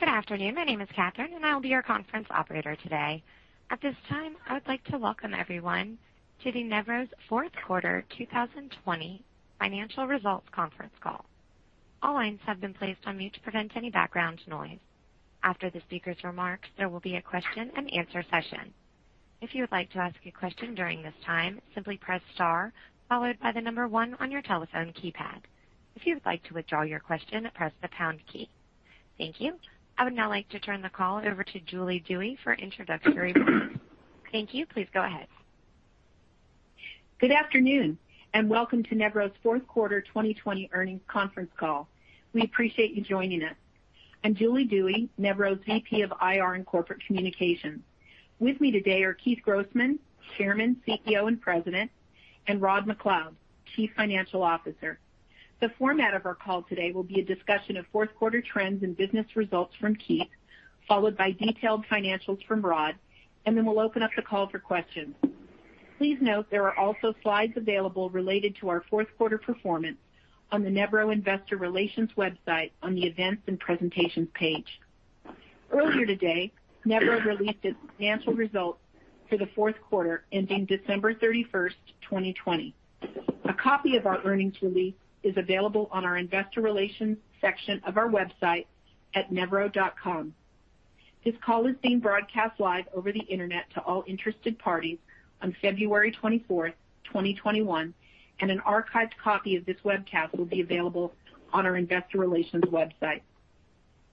Good afternoon. My name is Catherine, and I will be your conference operator today. At this time, I would like to welcome everyone to the Nevro's fourth quarter 2020 financial results conference call. All lines have been placed on mute to prevent any background noise. After the speaker's remarks, there will be a question and answer session. If you would like to ask a question during this time, simply press star followed by the number one on your telephone keypad. If you would like to withdraw your question, press the pound key. Thank you. I would now like to turn the call over to Julie Dewey for introductory remarks. Thank you. Please go ahead. Good afternoon and welcome to Nevro's fourth quarter 2020 earnings conference call. We appreciate you joining us. I'm Julie Dewey, Nevro's VP of IR and Corporate Communications. With me today are Keith Grossman, Chairman, CEO, and President, and Rod MacLeod, Chief Financial Officer. The format of our call today will be a discussion of fourth quarter trends and business results from Keith, followed by detailed financials from Rod, and then we'll open up the call for questions. Please note there are also slides available related to our fourth quarter performance on the Nevro Investor Relations website on the Events and Presentations page. Earlier today, Nevro released its financial results for the fourth quarter ending December 31st, 2020. A copy of our earnings release is available on our investor relations section of our website at nevro.com. This call is being broadcast live over the internet to all interested parties on February 24th, 2021, and an archived copy of this webcast will be available on our investor relations website.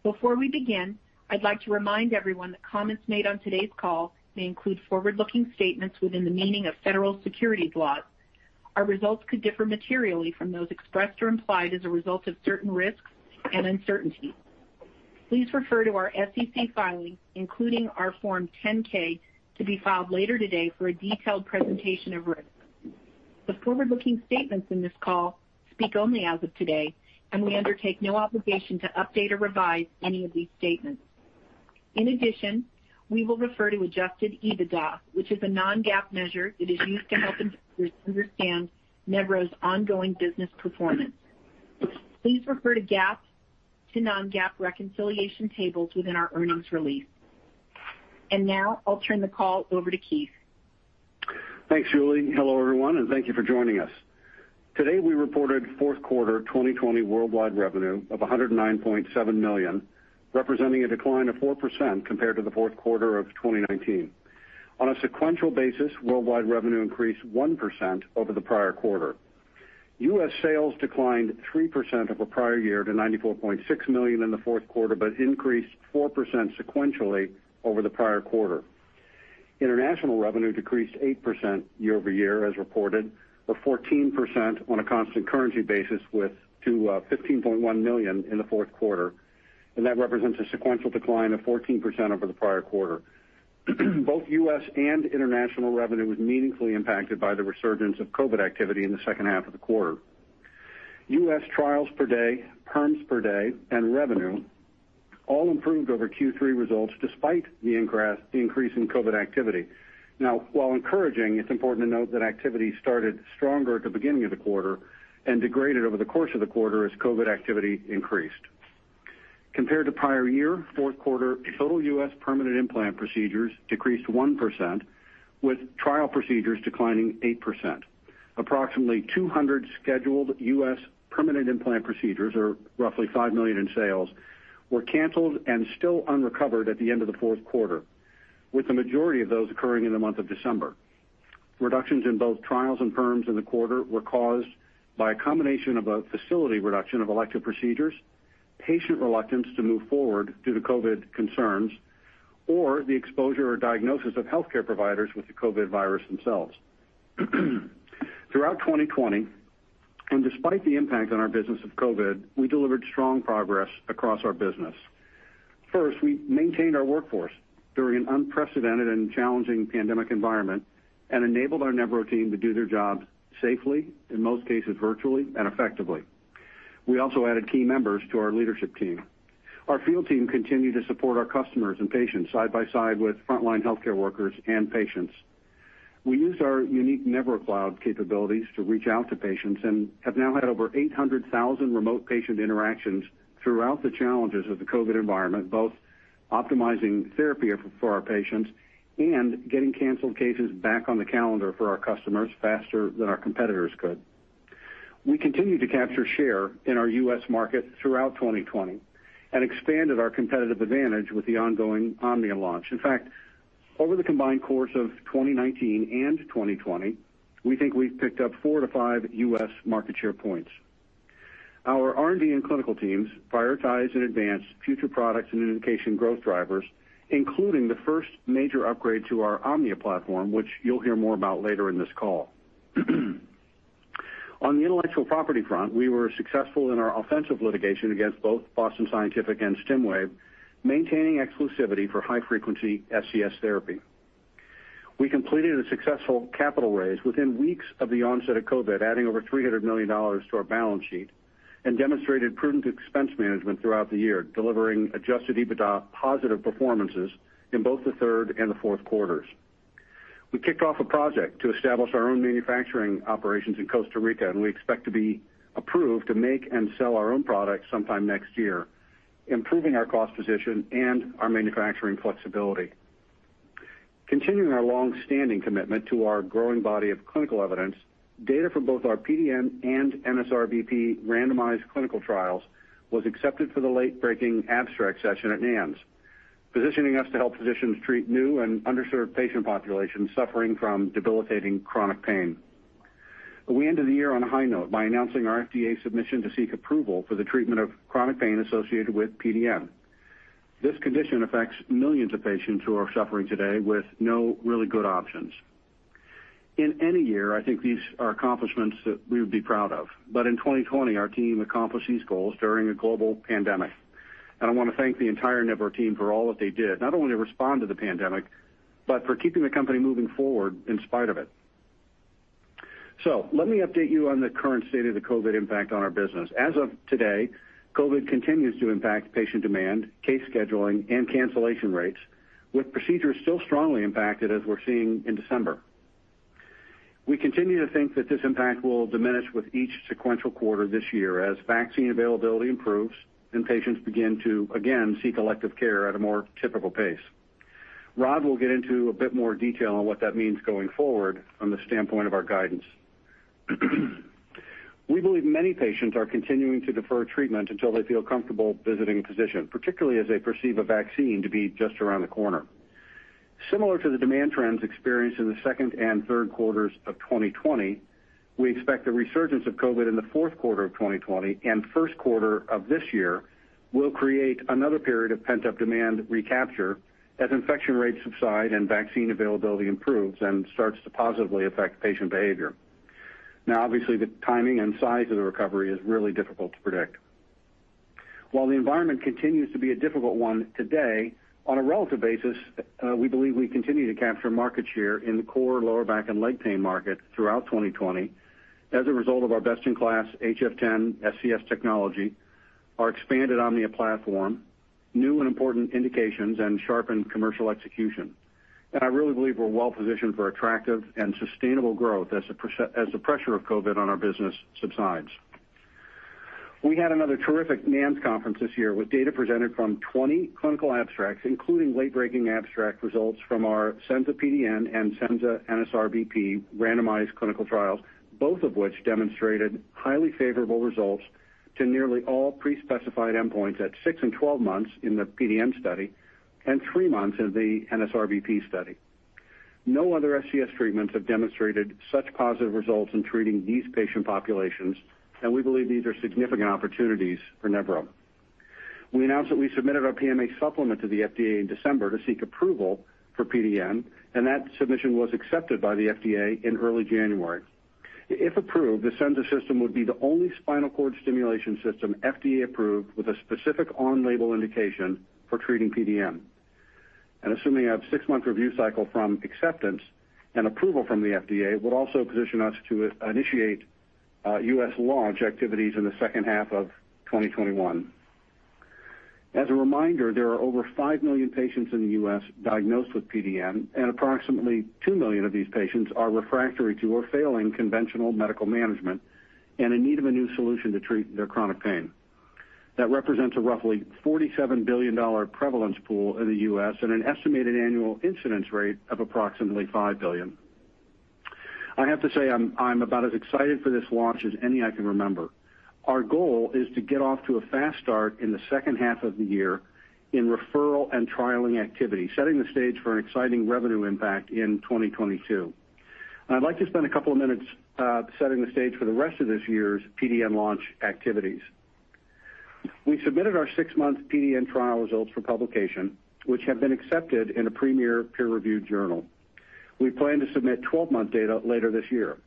Before we begin, I'd like to remind everyone that comments made on today's call may include forward-looking statements within the meaning of federal securities laws. Our results could differ materially from those expressed or implied as a result of certain risks and uncertainties. Please refer to our SEC filings, including our Form 10-K to be filed later today for a detailed presentation of risks. The forward-looking statements in this call speak only as of today, and we undertake no obligation to update or revise any of these statements. In addition, we will refer to adjusted EBITDA, which is a non-GAAP measure that is used to help investors understand Nevro's ongoing business performance. Please refer to non-GAAP reconciliation tables within our earnings release. Now I'll turn the call over to Keith. Thanks, Julie. Hello, everyone, and thank you for joining us. Today we reported fourth quarter 2020 worldwide revenue of $109.7 million, representing a decline of 4% compared to the fourth quarter of 2019. On a sequential basis, worldwide revenue increased 1% over the prior quarter. U.S. sales declined 3% over prior year to $94.6 million in the fourth quarter, but increased 4% sequentially over the prior quarter. International revenue decreased 8% year-over-year as reported, or 14% on a constant currency basis to $15.1 million in the fourth quarter. That represents a sequential decline of 14% over the prior quarter. Both U.S. and international revenue was meaningfully impacted by the resurgence of COVID activity in the second half of the quarter. U.S. trials per day, perms per day, and revenue all improved over Q3 results despite the increase in COVID activity. While encouraging, it's important to note that activity started stronger at the beginning of the quarter and degraded over the course of the quarter as COVID activity increased. Compared to prior year, fourth quarter total U.S. permanent implant procedures decreased 1%, with trial procedures declining 8%. Approximately 200 scheduled U.S. permanent implant procedures, or roughly $5 million in sales, were canceled and still unrecovered at the end of the fourth quarter, with the majority of those occurring in the month of December. Reductions in both trials and perms in the quarter were caused by a combination of a facility reduction of elective procedures, patient reluctance to move forward due to COVID concerns, or the exposure or diagnosis of healthcare providers with the COVID virus themselves. Throughout 2020, despite the impact on our business of COVID, we delivered strong progress across our business. First, we maintained our workforce during an unprecedented and challenging pandemic environment and enabled our Nevro team to do their jobs safely, in most cases virtually and effectively. We also added key members to our leadership team. Our field team continued to support our customers and patients side by side with frontline healthcare workers and patients. We used our unique Nevro Cloud capabilities to reach out to patients and have now had over 800,000 remote patient interactions throughout the challenges of the COVID environment, both optimizing therapy for our patients and getting canceled cases back on the calendar for our customers faster than our competitors could. We continued to capture share in our U.S. market throughout 2020 and expanded our competitive advantage with the ongoing Omnia launch. In fact, over the combined course of 2019 and 2020, we think we've picked up four to five U.S. market share points. Our R&D and clinical teams prioritized and advanced future products and indication growth drivers, including the first major upgrade to our Omnia platform, which you'll hear more about later in this call. On the intellectual property front, we were successful in our offensive litigation against both Boston Scientific and Stimwave, maintaining exclusivity for high-frequency SCS therapy. We completed a successful capital raise within weeks of the onset of COVID, adding over $300 million to our balance sheet and demonstrated prudent expense management throughout the year, delivering adjusted EBITDA positive performances in both the third and the fourth quarters. We kicked off a project to establish our own manufacturing operations in Costa Rica, and we expect to be approved to make and sell our own products sometime next year, improving our cost position and our manufacturing flexibility. Continuing our longstanding commitment to our growing body of clinical evidence, data from both our PDN and NSRBP randomized clinical trials was accepted for the late-breaking abstract session at NANS, positioning us to help physicians treat new and underserved patient populations suffering from debilitating chronic pain. We ended the year on a high note by announcing our FDA submission to seek approval for the treatment of chronic pain associated with PDN. This condition affects millions of patients who are suffering today with no really good options. In any year, I think these are accomplishments that we would be proud of. In 2020, our team accomplished these goals during a global pandemic. I want to thank the entire Nevro team for all that they did, not only to respond to the pandemic, but for keeping the company moving forward in spite of it. Let me update you on the current state of the COVID impact on our business. As of today, COVID continues to impact patient demand, case scheduling, and cancellation rates with procedures still strongly impacted as we're seeing in December. We continue to think that this impact will diminish with each sequential quarter this year as vaccine availability improves and patients begin to, again, seek elective care at a more typical pace. Rod will get into a bit more detail on what that means going forward from the standpoint of our guidance. We believe many patients are continuing to defer treatment until they feel comfortable visiting a physician, particularly as they perceive a vaccine to be just around the corner. Similar to the demand trends experienced in the second and third quarters of 2020, we expect a resurgence of COVID in the fourth quarter of 2020 and first quarter of this year will create another period of pent-up demand recapture as infection rates subside and vaccine availability improves and starts to positively affect patient behavior. Obviously, the timing and size of the recovery is really difficult to predict. While the environment continues to be a difficult one today, on a relative basis, we believe we continue to capture market share in the core lower back and leg pain market throughout 2020 as a result of our best-in-class HF10 SCS technology, our expanded Omnia platform, new and important indications, and sharpened commercial execution. I really believe we're well-positioned for attractive and sustainable growth as the pressure of COVID on our business subsides. We had another terrific NANS conference this year with data presented from 20 clinical abstracts, including late-breaking abstract results from our Senza PDN and Senza-NSRBP randomized clinical trials, both of which demonstrated highly favorable results to nearly all pre-specified endpoints at six and 12 months in the PDN study and three months in the NSRBP study. No other SCS treatments have demonstrated such positive results in treating these patient populations. We believe these are significant opportunities for Nevro. We announced that we submitted our PMA supplement to the FDA in December to seek approval for PDN. That submission was accepted by the FDA in early January. If approved, the Senza system would be the only spinal cord stimulation system FDA approved with a specific on-label indication for treating PDN. Assuming a six-month review cycle from acceptance and approval from the FDA would also position us to initiate U.S. launch activities in the second half of 2021. As a reminder, there are over 5 million patients in the U.S. diagnosed with PDN, and approximately 2 million of these patients are refractory to or failing conventional medical management and in need of a new solution to treat their chronic pain. That represents a roughly $47 billion prevalence pool in the U.S. and an estimated annual incidence rate of approximately $5 billion. I have to say, I'm about as excited for this launch as any I can remember. Our goal is to get off to a fast start in the second half of the year in referral and trialing activity, setting the stage for an exciting revenue impact in 2022. I'd like to spend a couple of minutes setting the stage for the rest of this year's PDN launch activities. We submitted our six-month PDN trial results for publication, which have been accepted in a premier peer-reviewed journal. We plan to submit 12-month data later this year.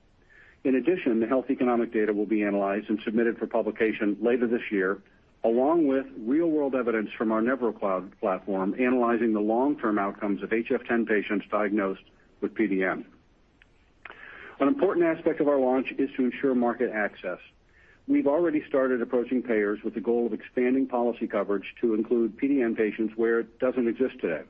In addition, the health economic data will be analyzed and submitted for publication later this year, along with real-world evidence from our Nevro Cloud platform analyzing the long-term outcomes of HF10 patients diagnosed with PDN. An important aspect of our launch is to ensure market access. We've already started approaching payers with the goal of expanding policy coverage to include PDN patients where it doesn't exist today.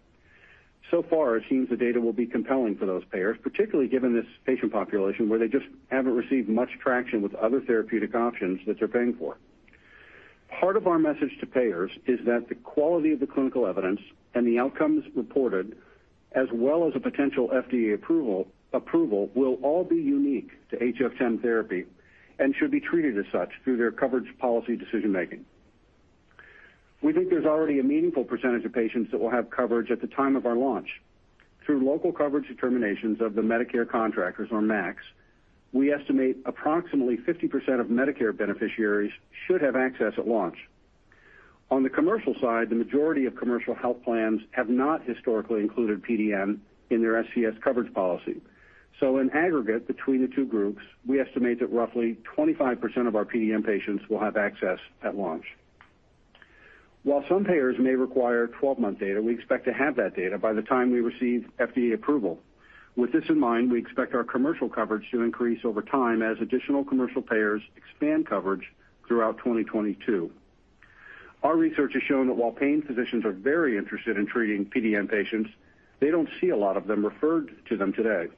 So far, it seems the data will be compelling for those payers, particularly given this patient population where they just haven't received much traction with other therapeutic options that they're paying for. Part of our message to payers is that the quality of the clinical evidence and the outcomes reported, as well as a potential FDA approval will all be unique to HF10 therapy and should be treated as such through their coverage policy decision-making. We think there's already a meaningful percentage of patients that will have coverage at the time of our launch. Through local coverage determinations of the Medicare contractors or MACs, we estimate approximately 50% of Medicare beneficiaries should have access at launch. On the commercial side, the majority of commercial health plans have not historically included PDN in their SCS coverage policy. In aggregate between the two groups, we estimate that roughly 25% of our PDN patients will have access at launch. While some payers may require 12-month data, we expect to have that data by the time we receive FDA approval. With this in mind, we expect our commercial coverage to increase over time as additional commercial payers expand coverage throughout 2022. Our research has shown that while pain physicians are very interested in treating PDN patients, they don't see a lot of them referred to them today.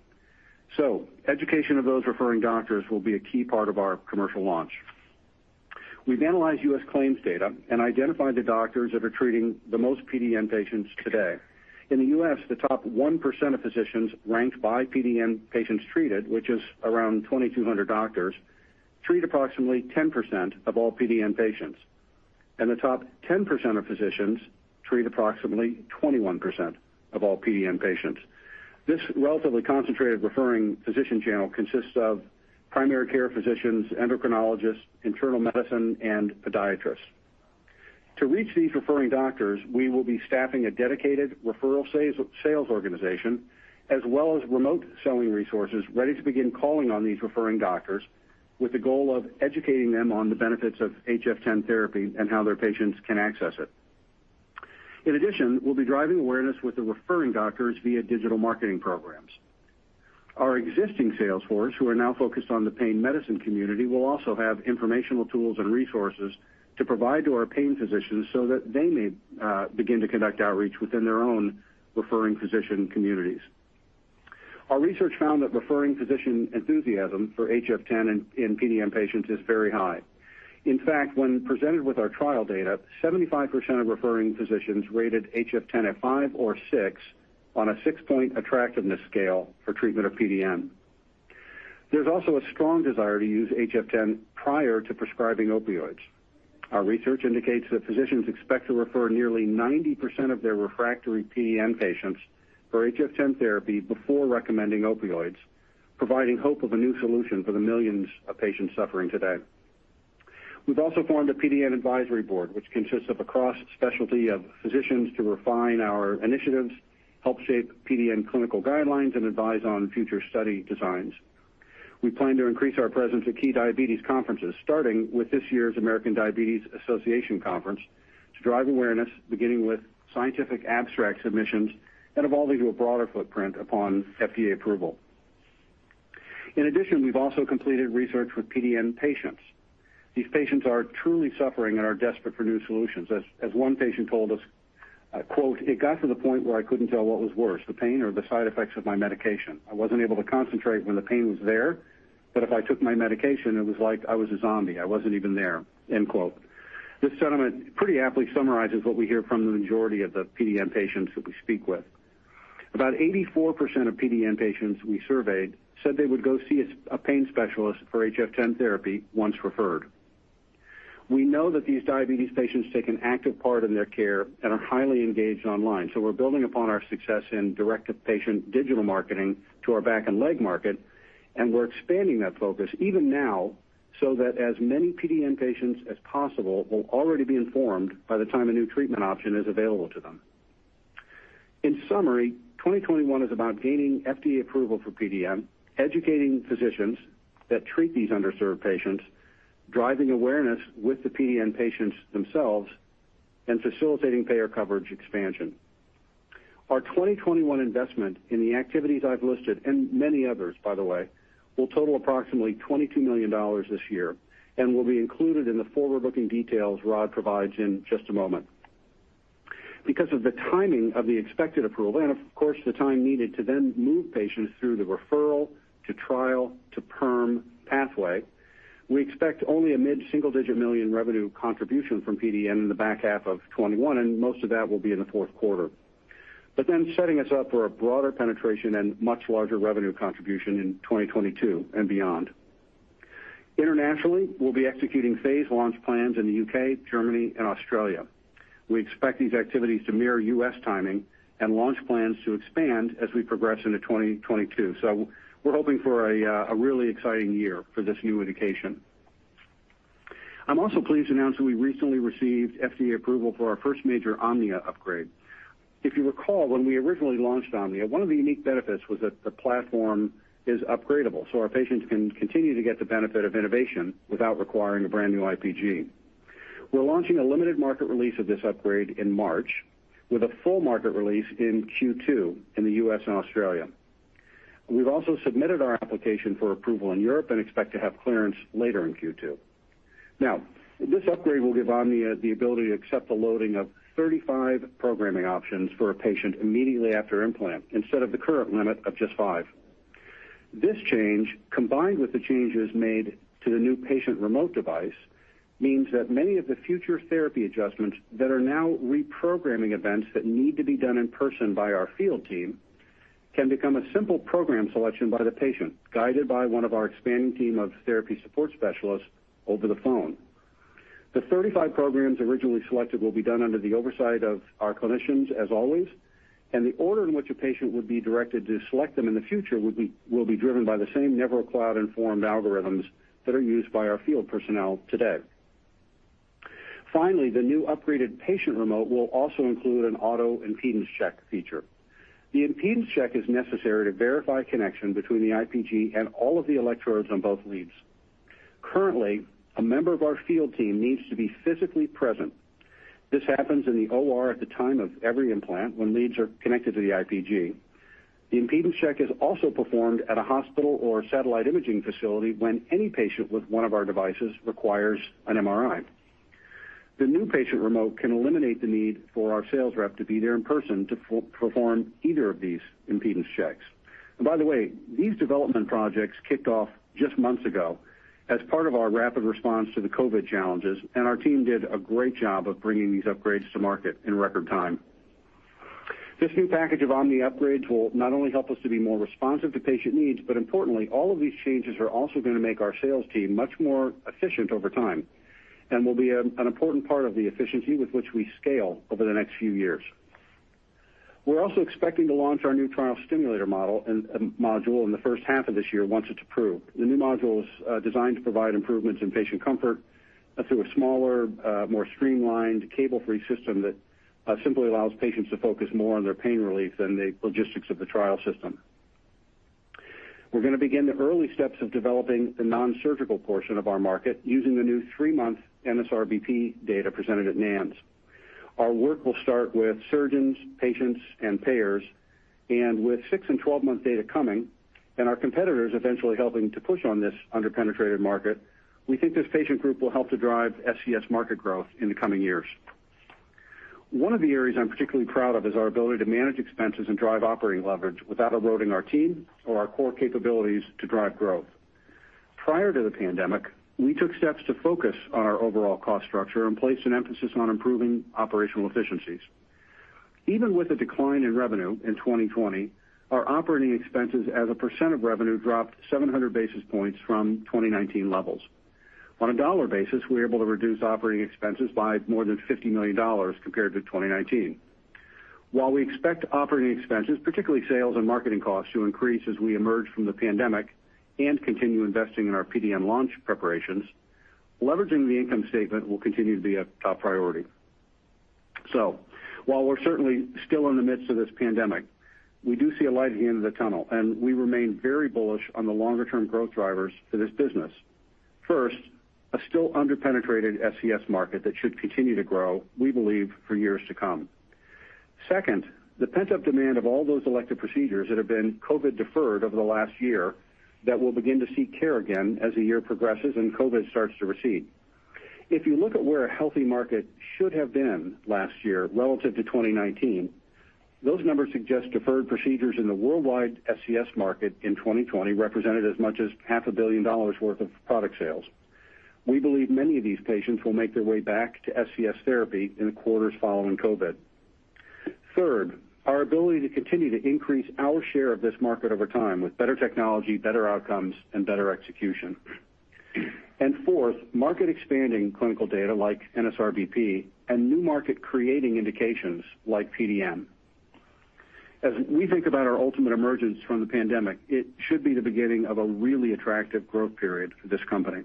Education of those referring doctors will be a key part of our commercial launch. We've analyzed U.S. claims data and identified the doctors that are treating the most PDN patients today. In the U.S., the top 1% of physicians ranked by PDN patients treated, which is around 2,200 doctors, treat approximately 10% of all PDN patients. The top 10% of physicians treat approximately 21% of all PDN patients. This relatively concentrated referring physician channel consists of primary care physicians, endocrinologists, internal medicine, and podiatrists. To reach these referring doctors, we will be staffing a dedicated referral sales organization, as well as remote selling resources ready to begin calling on these referring doctors with the goal of educating them on the benefits of HF10 therapy and how their patients can access it. We'll be driving awareness with the referring doctors via digital marketing programs. Our existing sales force, who are now focused on the pain medicine community, will also have informational tools and resources to provide to our pain physicians so that they may begin to conduct outreach within their own referring physician communities. Our research found that referring physician enthusiasm for HF10 in PDN patients is very high. When presented with our trial data, 75% of referring physicians rated HF10 at five or six on a six-point attractiveness scale for treatment of PDN. There's also a strong desire to use HF10 prior to prescribing opioids. Our research indicates that physicians expect to refer nearly 90% of their refractory PDN patients for HF10 therapy before recommending opioids, providing hope of a new solution for the millions of patients suffering today. We've also formed a PDN advisory board, which consists of a cross-specialty of physicians to refine our initiatives, help shape PDN clinical guidelines, and advise on future study designs. We plan to increase our presence at key diabetes conferences, starting with this year's American Diabetes Association conference, to drive awareness, beginning with scientific abstract submissions and evolving to a broader footprint upon FDA approval. In addition, we've also completed research with PDN patients. These patients are truly suffering and are desperate for new solutions. As one patient told us, quote, "It got to the point where I couldn't tell what was worse, the pain or the side effects of my medication. I wasn't able to concentrate when the pain was there, but if I took my medication, it was like I was a zombie. I wasn't even there." End quote. This sentiment pretty aptly summarizes what we hear from the majority of the PDN patients that we speak with. About 84% of PDN patients we surveyed said they would go see a pain specialist for HF10 therapy once referred. We know that these diabetes patients take an active part in their care and are highly engaged online, so we're building upon our success in direct-to-patient digital marketing to our back and leg market, and we're expanding that focus even now, so that as many PDN patients as possible will already be informed by the time a new treatment option is available to them. In summary, 2021 is about gaining FDA approval for PDN, educating physicians that treat these underserved patients, driving awareness with the PDN patients themselves, and facilitating payer coverage expansion. Our 2021 investment in the activities I've listed, and many others, by the way, will total approximately $22 million this year and will be included in the forward-looking details Rod provides in just a moment. Because of the timing of the expected approval and, of course, the time needed to then move patients through the referral to trial to perm pathway, we expect only a mid-single-digit million revenue contribution from PDN in the back half of 2021. Most of that will be in the fourth quarter. Setting us up for a broader penetration and much larger revenue contribution in 2022 and beyond. Internationally, we'll be executing phased launch plans in the U.K., Germany, and Australia. We expect these activities to mirror U.S. timing and launch plans to expand as we progress into 2022. We're hoping for a really exciting year for this new indication. I'm also pleased to announce that we recently received FDA approval for our first major Omnia upgrade. If you recall, when we originally launched Omnia, one of the unique benefits was that the platform is upgradable, so our patients can continue to get the benefit of innovation without requiring a brand-new IPG. We're launching a limited market release of this upgrade in March with a full market release in Q2 in the U.S. and Australia. We've also submitted our application for approval in Europe and expect to have clearance later in Q2. This upgrade will give Omnia the ability to accept the loading of 35 programming options for a patient immediately after implant, instead of the current limit of just five. This change, combined with the changes made to the new patient remote device, means that many of the future therapy adjustments that are now reprogramming events that need to be done in person by our field team can become a simple program selection by the patient, guided by one of our expanding team of therapy support specialists over the phone. The 35 programs originally selected will be done under the oversight of our clinicians, as always, and the order in which a patient would be directed to select them in the future will be driven by the same Nevro Cloud-informed algorithms that are used by our field personnel today. Finally, the new upgraded patient remote will also include an auto impedance check feature. The impedance check is necessary to verify connection between the IPG and all of the electrodes on both leads. Currently, a member of our field team needs to be physically present. This happens in the OR at the time of every implant when leads are connected to the IPG. The impedance check is also performed at a hospital or satellite imaging facility when any patient with one of our devices requires an MRI. The new patient remote can eliminate the need for our sales rep to be there in person to perform either of these impedance checks. By the way, these development projects kicked off just months ago as part of our rapid response to the COVID challenges, and our team did a great job of bringing these upgrades to market in record time. This new package of Omnia upgrades will not only help us to be more responsive to patient needs, but importantly, all of these changes are also going to make our sales team much more efficient over time and will be an important part of the efficiency with which we scale over the next few years. We're also expecting to launch our new trial stimulator module in the first half of this year, once it's approved. The new module is designed to provide improvements in patient comfort through a smaller, more streamlined cable-free system that simply allows patients to focus more on their pain relief than the logistics of the trial system. We're going to begin the early steps of developing the non-surgical portion of our market using the new three-month NSRBP data presented at NANS. Our work will start with surgeons, patients, and payers. With six and 12-month data coming, and our competitors eventually helping to push on this under-penetrated market, we think this patient group will help to drive SCS market growth in the coming years. One of the areas I'm particularly proud of is our ability to manage expenses and drive operating leverage without eroding our team or our core capabilities to drive growth. Prior to the pandemic, we took steps to focus on our overall cost structure and place an emphasis on improving operational efficiencies. Even with a decline in revenue in 2020, our operating expenses as a % of revenue dropped 700 basis points from 2019 levels. On a dollar basis, we were able to reduce operating expenses by more than $50 million compared to 2019. While we expect operating expenses, particularly sales and marketing costs, to increase as we emerge from the pandemic and continue investing in our PDN launch preparations, leveraging the income statement will continue to be a top priority. While we're certainly still in the midst of this pandemic, we do see a light at the end of the tunnel, and we remain very bullish on the longer-term growth drivers for this business. First, a still under-penetrated SCS market that should continue to grow, we believe, for years to come. Second, the pent-up demand of all those elective procedures that have been COVID deferred over the last year that will begin to seek care again as the year progresses and COVID starts to recede. If you look at where a healthy market should have been last year relative to 2019, those numbers suggest deferred procedures in the worldwide SCS market in 2020 represented as much as half a billion dollars worth of product sales. We believe many of these patients will make their way back to SCS therapy in the quarters following COVID. Third, our ability to continue to increase our share of this market over time with better technology, better outcomes, and better execution. Fourth, market expanding clinical data like NSRBP and new market creating indications like PDN. As we think about our ultimate emergence from the pandemic, it should be the beginning of a really attractive growth period for this company.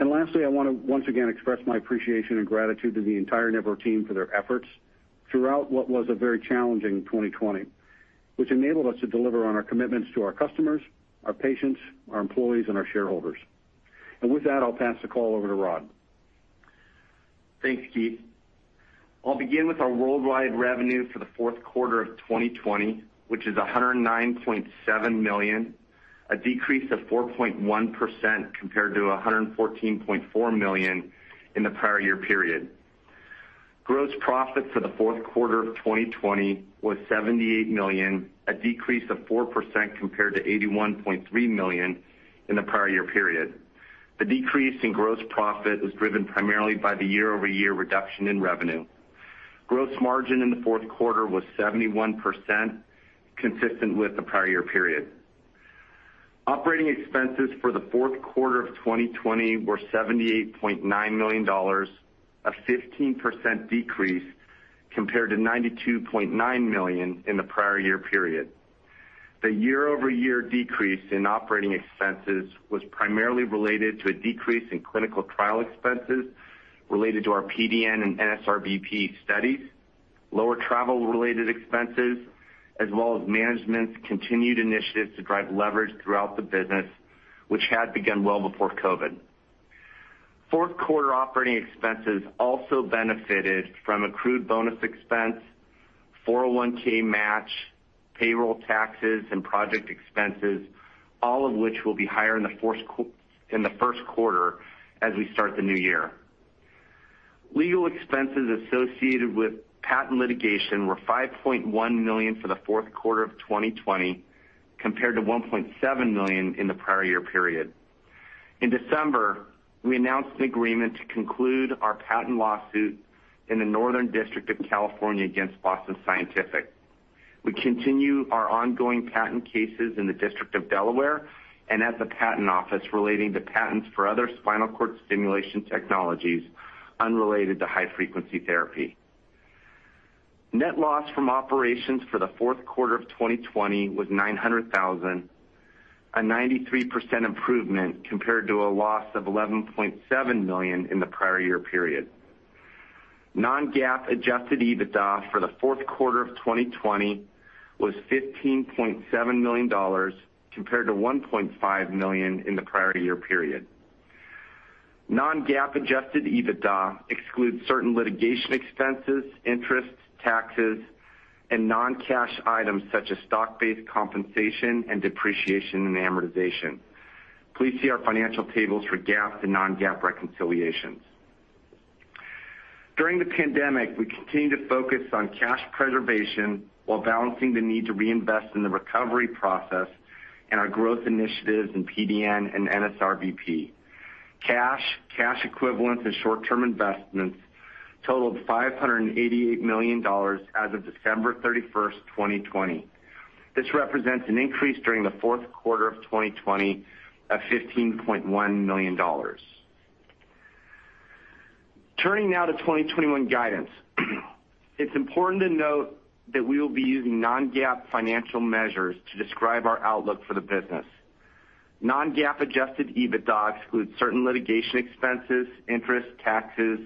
Lastly, I want to once again express my appreciation and gratitude to the entire Nevro team for their efforts throughout what was a very challenging 2020, which enabled us to deliver on our commitments to our customers, our patients, our employees, and our shareholders. With that, I'll pass the call over to Rod. Thanks, Keith. I'll begin with our worldwide revenue for the fourth quarter of 2020, which is $109.7 million, a decrease of 4.1% compared to $114.4 million in the prior year period. Gross profit for the fourth quarter of 2020 was $78 million, a decrease of 4% compared to $81.3 million in the prior year period. The decrease in gross profit was driven primarily by the year-over-year reduction in revenue. Gross margin in the fourth quarter was 71%, consistent with the prior year period. Operating expenses for the fourth quarter of 2020 were $78.9 million, a 15% decrease compared to $92.9 million in the prior year period. The year-over-year decrease in operating expenses was primarily related to a decrease in clinical trial expenses related to our PDN and NSRBP studies, lower travel-related expenses, as well as management's continued initiatives to drive leverage throughout the business, which had begun well before COVID. Fourth quarter operating expenses also benefited from accrued bonus expense, 401(k) match, payroll taxes, and project expenses, all of which will be higher in the first quarter as we start the new year. Legal expenses associated with patent litigation were $5.1 million for the fourth quarter of 2020, compared to $1.7 million in the prior year period. In December, we announced an agreement to conclude our patent lawsuit in the Northern District of California against Boston Scientific. We continue our ongoing patent cases in the District of Delaware and at the Patent Office relating to patents for other spinal cord stimulation technologies unrelated to high-frequency therapy. Net loss from operations for the fourth quarter of 2020 was $900,000, a 93% improvement compared to a loss of $11.7 million in the prior year period. Non-GAAP adjusted EBITDA for the fourth quarter of 2020 was $15.7 million compared to $1.5 million in the prior year period. Non-GAAP adjusted EBITDA excludes certain litigation expenses, interest, taxes, and non-cash items such as stock-based compensation and depreciation and amortization. Please see our financial tables for GAAP and non-GAAP reconciliations. During the pandemic, we continued to focus on cash preservation while balancing the need to reinvest in the recovery process and our growth initiatives in PDN and NSRBP. Cash, cash equivalents, and short-term investments totaled $588 million as of December 31st, 2020. This represents an increase during the fourth quarter of 2020 of $15.1 million. Turning now to 2021 guidance. It's important to note that we will be using non-GAAP financial measures to describe our outlook for the business. Non-GAAP adjusted EBITDA excludes certain litigation expenses, interest, taxes,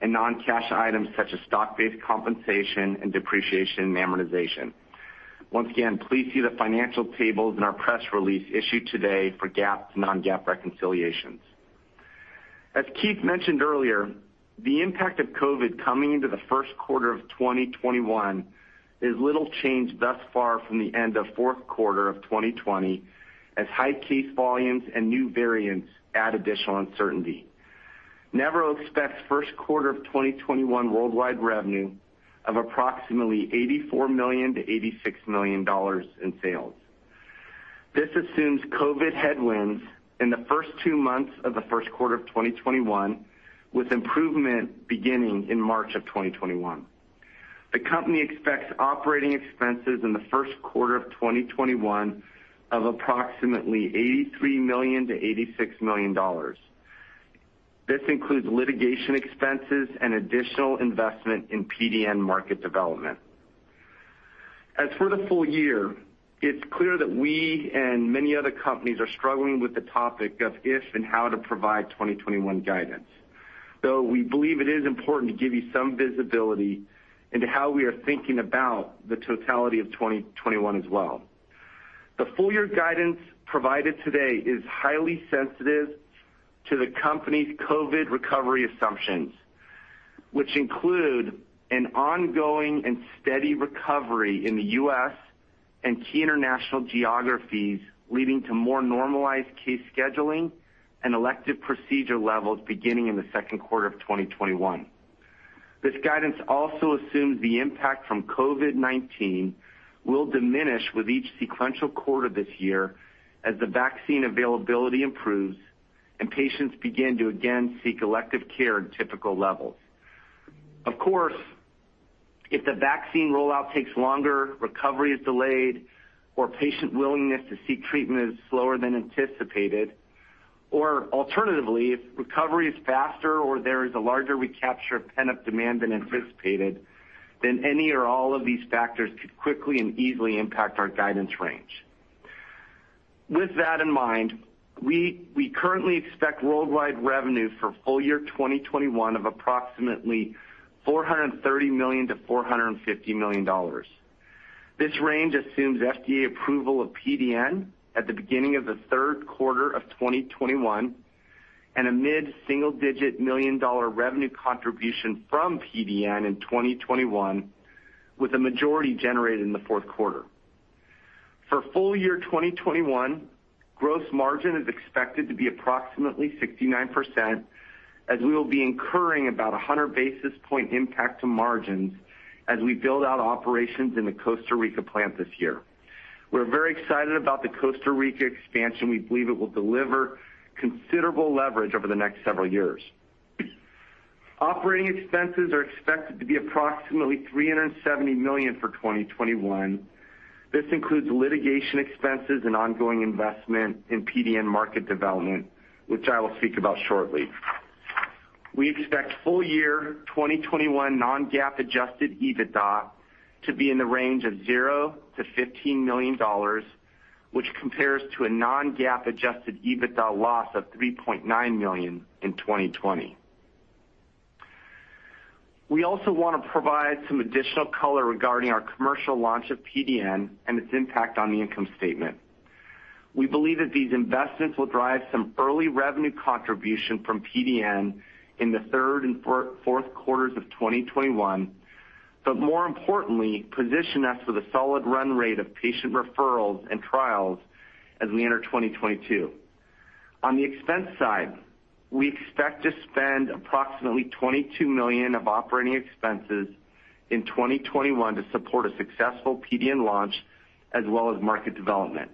and non-cash items such as stock-based compensation and depreciation and amortization. Once again, please see the financial tables in our press release issued today for GAAP to non-GAAP reconciliations. As Keith mentioned earlier, the impact of COVID coming into the first quarter of 2021 is little changed thus far from the end of fourth quarter of 2020, as high case volumes and new variants add additional uncertainty. Nevro expects first quarter of 2021 worldwide revenue of approximately $84 million-$86 million in sales. This assumes COVID headwinds in the first two months of the first quarter of 2021, with improvement beginning in March of 2021. The company expects operating expenses in the first quarter of 2021 of approximately $83 million-$86 million. This includes litigation expenses and additional investment in PDN market development. As for the full year, it is clear that we and many other companies are struggling with the topic of if and how to provide 2021 guidance. Though we believe it is important to give you some visibility into how we are thinking about the totality of 2021 as well. The full year guidance provided today is highly sensitive to the company's COVID recovery assumptions, which include an ongoing and steady recovery in the U.S. and key international geographies, leading to more normalized case scheduling and elective procedure levels beginning in the second quarter of 2021. This guidance also assumes the impact from COVID-19 will diminish with each sequential quarter this year as the vaccine availability improves and patients begin to again seek elective care in typical levels. Of course, if the vaccine rollout takes longer, recovery is delayed, or patient willingness to seek treatment is slower than anticipated, or alternatively, if recovery is faster or there is a larger recapture of pent-up demand than anticipated, then any or all of these factors could quickly and easily impact our guidance range. With that in mind, we currently expect worldwide revenue for full year 2021 of approximately $430 million-$450 million. This range assumes FDA approval of PDN at the beginning of the third quarter of 2021 and a mid-single-digit million-dollar revenue contribution from PDN in 2021, with a majority generated in the fourth quarter. For full year 2021, gross margin is expected to be approximately 69%, as we will be incurring about 100 basis point impact to margins as we build out operations in the Costa Rica plant this year. We're very excited about the Costa Rica expansion. We believe it will deliver considerable leverage over the next several years. Operating expenses are expected to be approximately $370 million for 2021. This includes litigation expenses and ongoing investment in PDN market development, which I will speak about shortly. We expect full year 2021 non-GAAP adjusted EBITDA to be in the range of 0 to $15 million, which compares to a non-GAAP adjusted EBITDA loss of $3.9 million in 2020. We also want to provide some additional color regarding our commercial launch of PDN and its impact on the income statement. We believe that these investments will drive some early revenue contribution from PDN in the third and fourth quarters of 2021, but more importantly, position us with a solid run rate of patient referrals and trials as we enter 2022. On the expense side, we expect to spend approximately $22 million of operating expenses in 2021 to support a successful PDN launch as well as market development,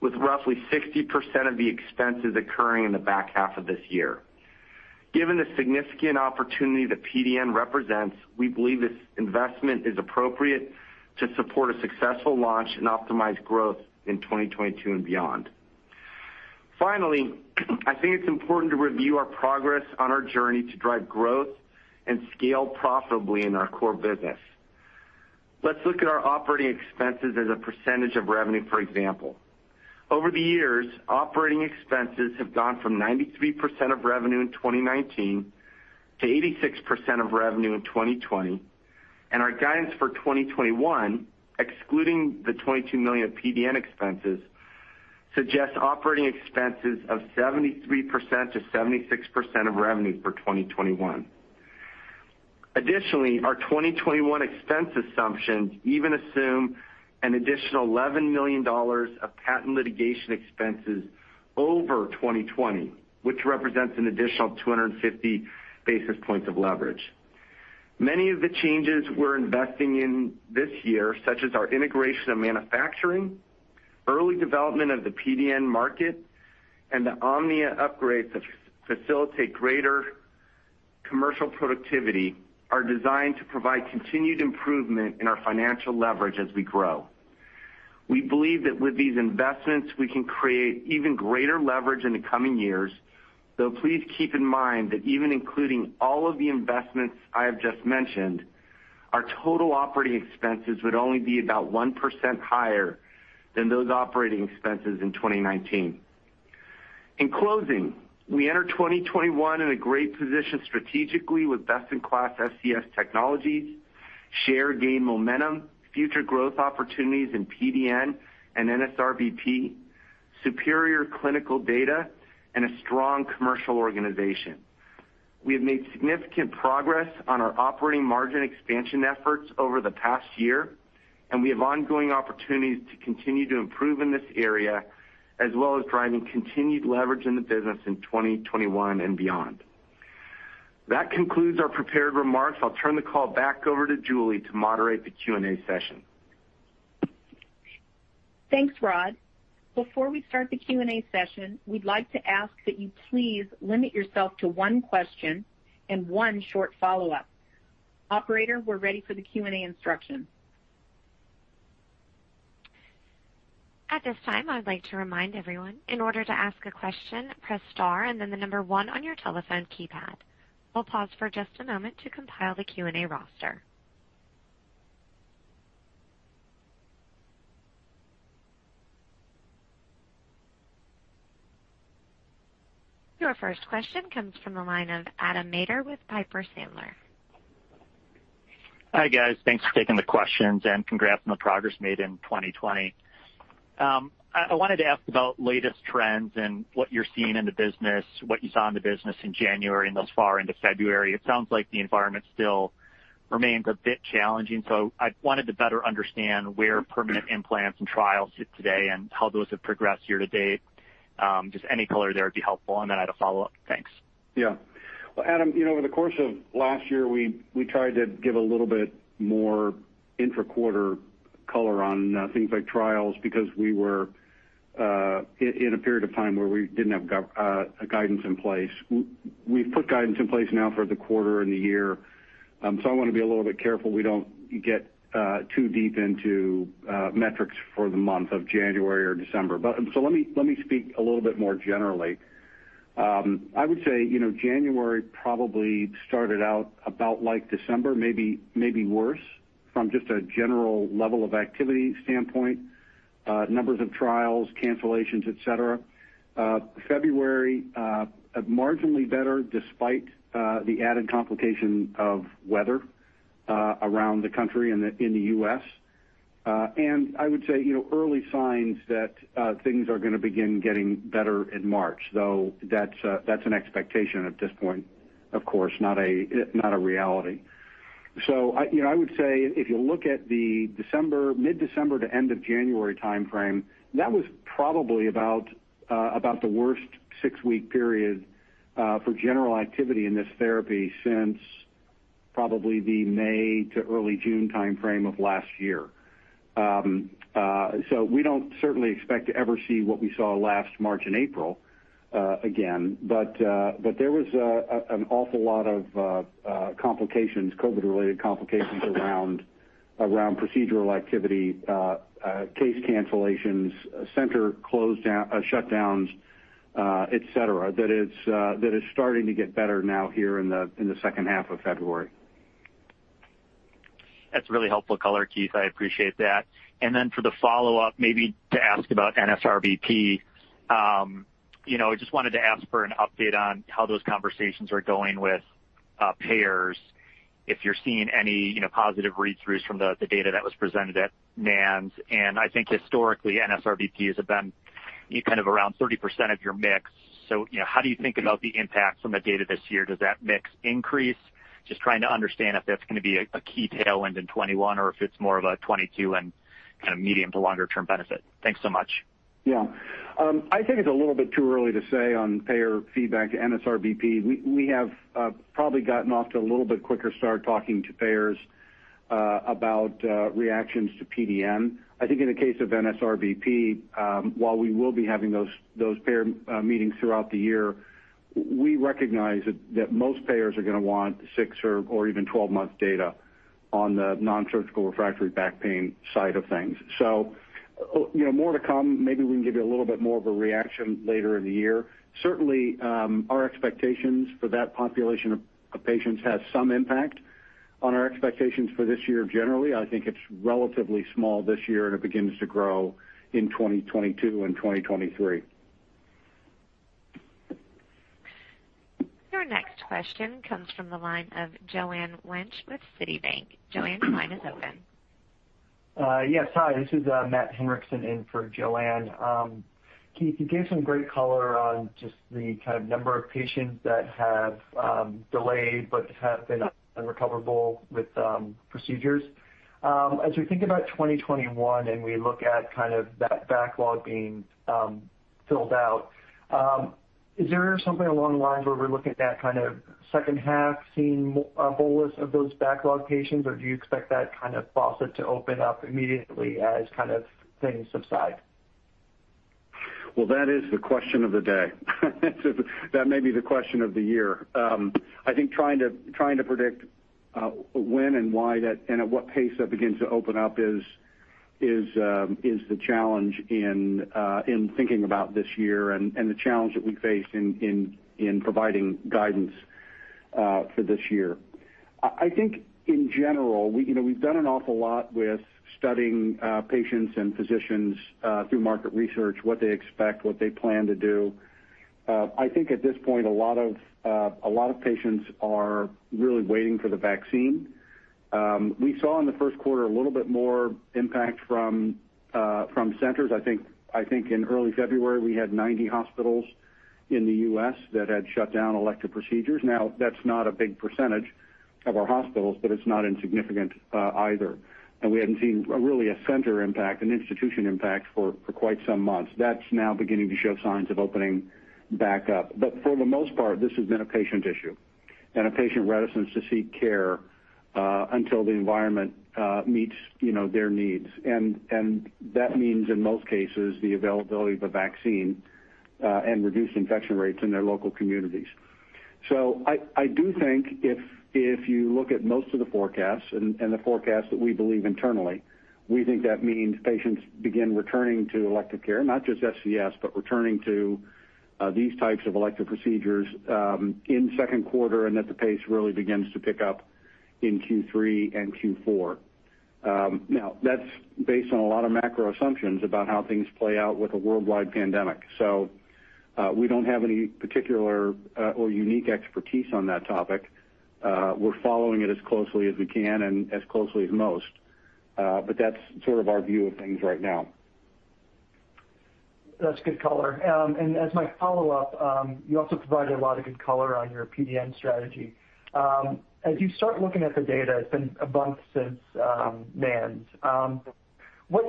with roughly 60% of the expenses occurring in the back half of this year. Given the significant opportunity that PDN represents, we believe this investment is appropriate to support a successful launch and optimize growth in 2022 and beyond. I think it's important to review our progress on our journey to drive growth and scale profitably in our core business. Let's look at our operating expenses as a percentage of revenue, for example. Over the years, operating expenses have gone from 93% of revenue in 2019 to 86% of revenue in 2020. Our guidance for 2021, excluding the $22 million PDN expenses, suggests operating expenses of 73%-76% of revenue for 2021. Additionally, our 2021 expense assumptions even assume an additional $11 million of patent litigation expenses over 2020, which represents an additional 250 basis points of leverage. Many of the changes we're investing in this year, such as our integration of manufacturing, early development of the PDN market, and the Omnia upgrades that facilitate greater commercial productivity, are designed to provide continued improvement in our financial leverage as we grow. We believe that with these investments, we can create even greater leverage in the coming years, though please keep in mind that even including all of the investments I have just mentioned, our total operating expenses would only be about 1% higher than those operating expenses in 2019. In closing, we enter 2021 in a great position strategically with best-in-class SCS technologies, share gain momentum, future growth opportunities in PDN and NSRBP, superior clinical data, and a strong commercial organization. We have made significant progress on our operating margin expansion efforts over the past year, and we have ongoing opportunities to continue to improve in this area, as well as driving continued leverage in the business in 2021 and beyond. That concludes our prepared remarks. I'll turn the call back over to Julie to moderate the Q&A session. Thanks, Rod. Before we start the Q&A session, we'd like to ask that you please limit yourself to one question and one short follow-up. Operator, we're ready for the Q&A instructions. At this time, I would like to remind everyone, in order to ask a question, press star and then the number one on your telephone keypad. We'll pause for just a moment to compile the Q&A roster. Your first question comes from the line of Adam Maeder with Piper Sandler. Hi, guys. Thanks for taking the questions. Congrats on the progress made in 2020. I wanted to ask about latest trends and what you're seeing in the business, what you saw in the business in January and thus far into February. It sounds like the environment still remains a bit challenging. I wanted to better understand where permanent implants and trials sit today and how those have progressed year-to-date. Just any color there would be helpful. I had a follow-up. Thanks. Yeah. Well, Adam, over the course of last year, we tried to give a little bit more intra-quarter color on things like trials because we were in a period of time where we didn't have guidance in place. We've put guidance in place now for the quarter and the year, so I want to be a little bit careful we don't get too deep into metrics for the month of January or December. Let me speak a little bit more generally. I would say January probably started out about like December, maybe worse from just a general level of activity standpoint, numbers of trials, cancellations, et cetera. February, marginally better despite the added complication of weather around the country in the U.S. I would say early signs that things are going to begin getting better in March, though that's an expectation at this point, of course, not a reality. I would say if you look at the mid-December to end of January timeframe, that was probably about the worst six-week period for general activity in this therapy since probably the May to early June timeframe of last year. We don't certainly expect to ever see what we saw last March and April again. There was an awful lot of COVID-related complications around procedural activity, case cancellations, center shutdowns, et cetera, that is starting to get better now here in the second half of February. That's really helpful color, Keith. I appreciate that. Then for the follow-up, maybe to ask about NSRBP. I just wanted to ask for an update on how those conversations are going with payers, if you're seeing any positive read-throughs from the data that was presented at NANS. I think historically, NSRBP has been around 30% of your mix. How do you think about the impact from the data this year? Does that mix increase? Just trying to understand if that's going to be a key tailwind in 2021 or if it's more of a 2022 and medium to longer-term benefit. Thanks so much. Yeah. I think it's a little bit too early to say on payer feedback to NSRBP. We have probably gotten off to a little bit quicker start talking to payers about reactions to PDN. I think in the case of NSRBP, while we will be having those payer meetings throughout the year, we recognize that most payers are going to want six or even 12-month data on the nonsurgical refractory back pain side of things. More to come. Maybe we can give you a little bit more of a reaction later in the year. Certainly, our expectations for that population of patients has some impact on our expectations for this year generally. I think it's relatively small this year, and it begins to grow in 2022 and 2023. Your next question comes from the line of Joanne Wuensch with Citibank. Joanne, your line is open. Yes. Hi, this is Matt Henrickson in for Joanne. Keith, you gave some great color on just the kind of number of patients that have delayed but have been unrecoverable with procedures. As we think about 2021, and we look at that backlog being filled out, is there something along the lines where we're looking at that kind of second half seeing a bolus of those backlog patients? Or do you expect that kind of faucet to open up immediately as things subside? Well, that is the question of the day. That may be the question of the year. I think trying to predict when and why that, and at what pace that begins to open up is the challenge in thinking about this year and the challenge that we face in providing guidance for this year. I think in general, we've done an awful lot with studying patients and physicians through market research, what they expect, what they plan to do. I think at this point, a lot of patients are really waiting for the vaccine. We saw in the first quarter a little bit more impact from centers. I think in early February, we had 90 hospitals in the U.S. that had shut down elective procedures. Now, that's not a big percentage of our hospitals, but it's not insignificant either. We hadn't seen really a center impact, an institution impact for quite some months. That's now beginning to show signs of opening back up. For the most part, this has been a patient issue and a patient reticence to seek care until the environment meets their needs. That means, in most cases, the availability of a vaccine and reduced infection rates in their local communities. I do think if you look at most of the forecasts and the forecasts that we believe internally, we think that means patients begin returning to elective care, not just SCS, but returning to these types of elective procedures in the second quarter, and that the pace really begins to pick up in Q3 and Q4. That's based on a lot of macro assumptions about how things play out with a worldwide pandemic. We don't have any particular or unique expertise on that topic. We're following it as closely as we can and as closely as most. That's sort of our view of things right now. That's good color. As my follow-up, you also provided a lot of good color on your PDN strategy. As you start looking at the data, it's been a month since NANS. What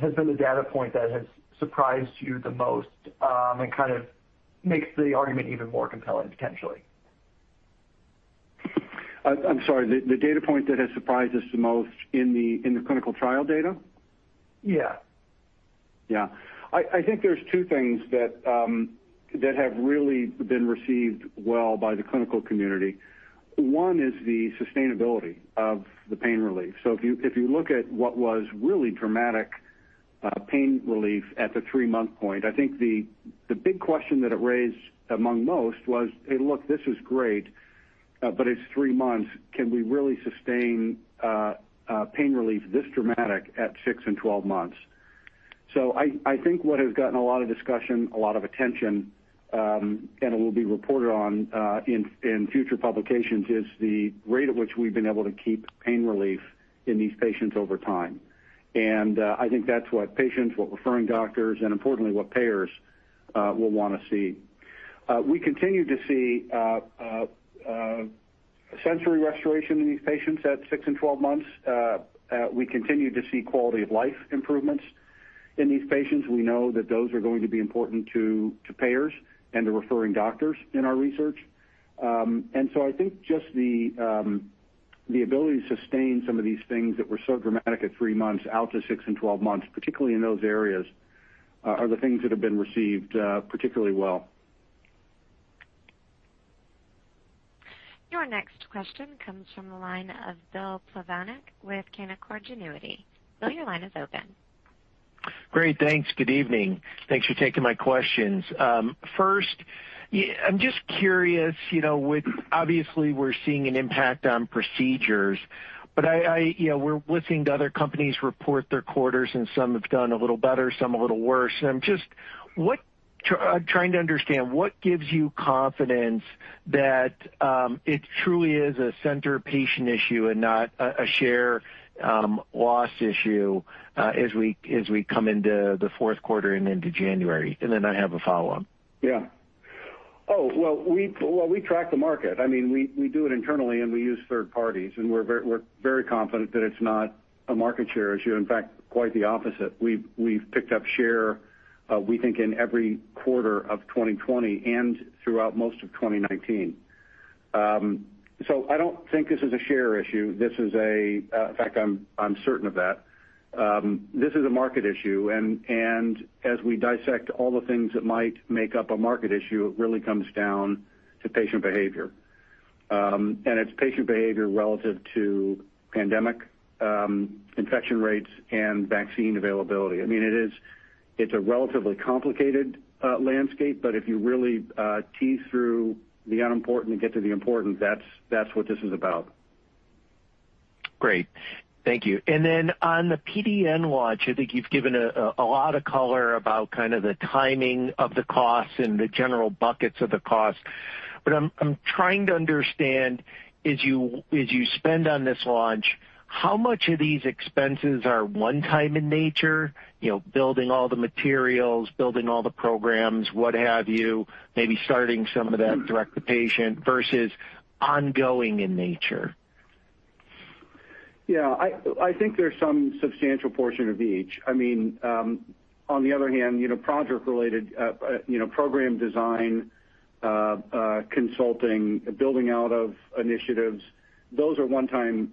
has been the data point that has surprised you the most and kind of makes the argument even more compelling, potentially? I'm sorry. The data point that has surprised us the most in the clinical trial data? Yeah. Yeah. I think there's two things that have really been received well by the clinical community. One is the sustainability of the pain relief. If you look at what was really dramatic pain relief at the three-month point, I think the big question that it raised among most was, Hey, look, this is great, but it's three months. Can we really sustain pain relief this dramatic at six and 12 months? I think what has gotten a lot of discussion, a lot of attention, and it will be reported on in future publications, is the rate at which we've been able to keep pain relief in these patients over time. I think that's what patients, what referring doctors, and importantly, what payers will want to see. We continue to see sensory restoration in these patients at six and 12 months. We continue to see quality of life improvements in these patients. We know that those are going to be important to payers and to referring doctors in our research. I think just the ability to sustain some of these things that were so dramatic at three months out to six and 12 months, particularly in those areas, are the things that have been received particularly well. Your next question comes from the line of Bill Plovanic with Canaccord Genuity. Bill, your line is open. Great. Thanks. Good evening. Thanks for taking my questions. First, I'm just curious, obviously we're seeing an impact on procedures, but we're listening to other companies report their quarters, and some have done a little better, some a little worse. I'm just trying to understand, what gives you confidence that it truly is a center patient issue and not a share loss issue as we come into the fourth quarter and into January? Then I have a follow-up. Yeah. Oh, well, we track the market. We do it internally, and we use third parties, and we're very confident that it's not a market share issue. In fact, quite the opposite. We've picked up share, we think, in every quarter of 2020 and throughout most of 2019. I don't think this is a share issue. In fact, I'm certain of that. This is a market issue, and as we dissect all the things that might make up a market issue, it really comes down to patient behavior. It's patient behavior relative to pandemic infection rates and vaccine availability. It's a relatively complicated landscape, but if you really tease through the unimportant and get to the important, that's what this is about. Great. Thank you. On the PDN launch, I think you've given a lot of color about the timing of the costs and the general buckets of the costs. What I'm trying to understand is as you spend on this launch, how much of these expenses are one time in nature, building all the materials, building all the programs, what have you, maybe starting some of that direct to patient versus ongoing in nature? Yeah. I think there's some substantial portion of each. On the other hand, project related, program design, consulting, building out of initiatives, those are one-time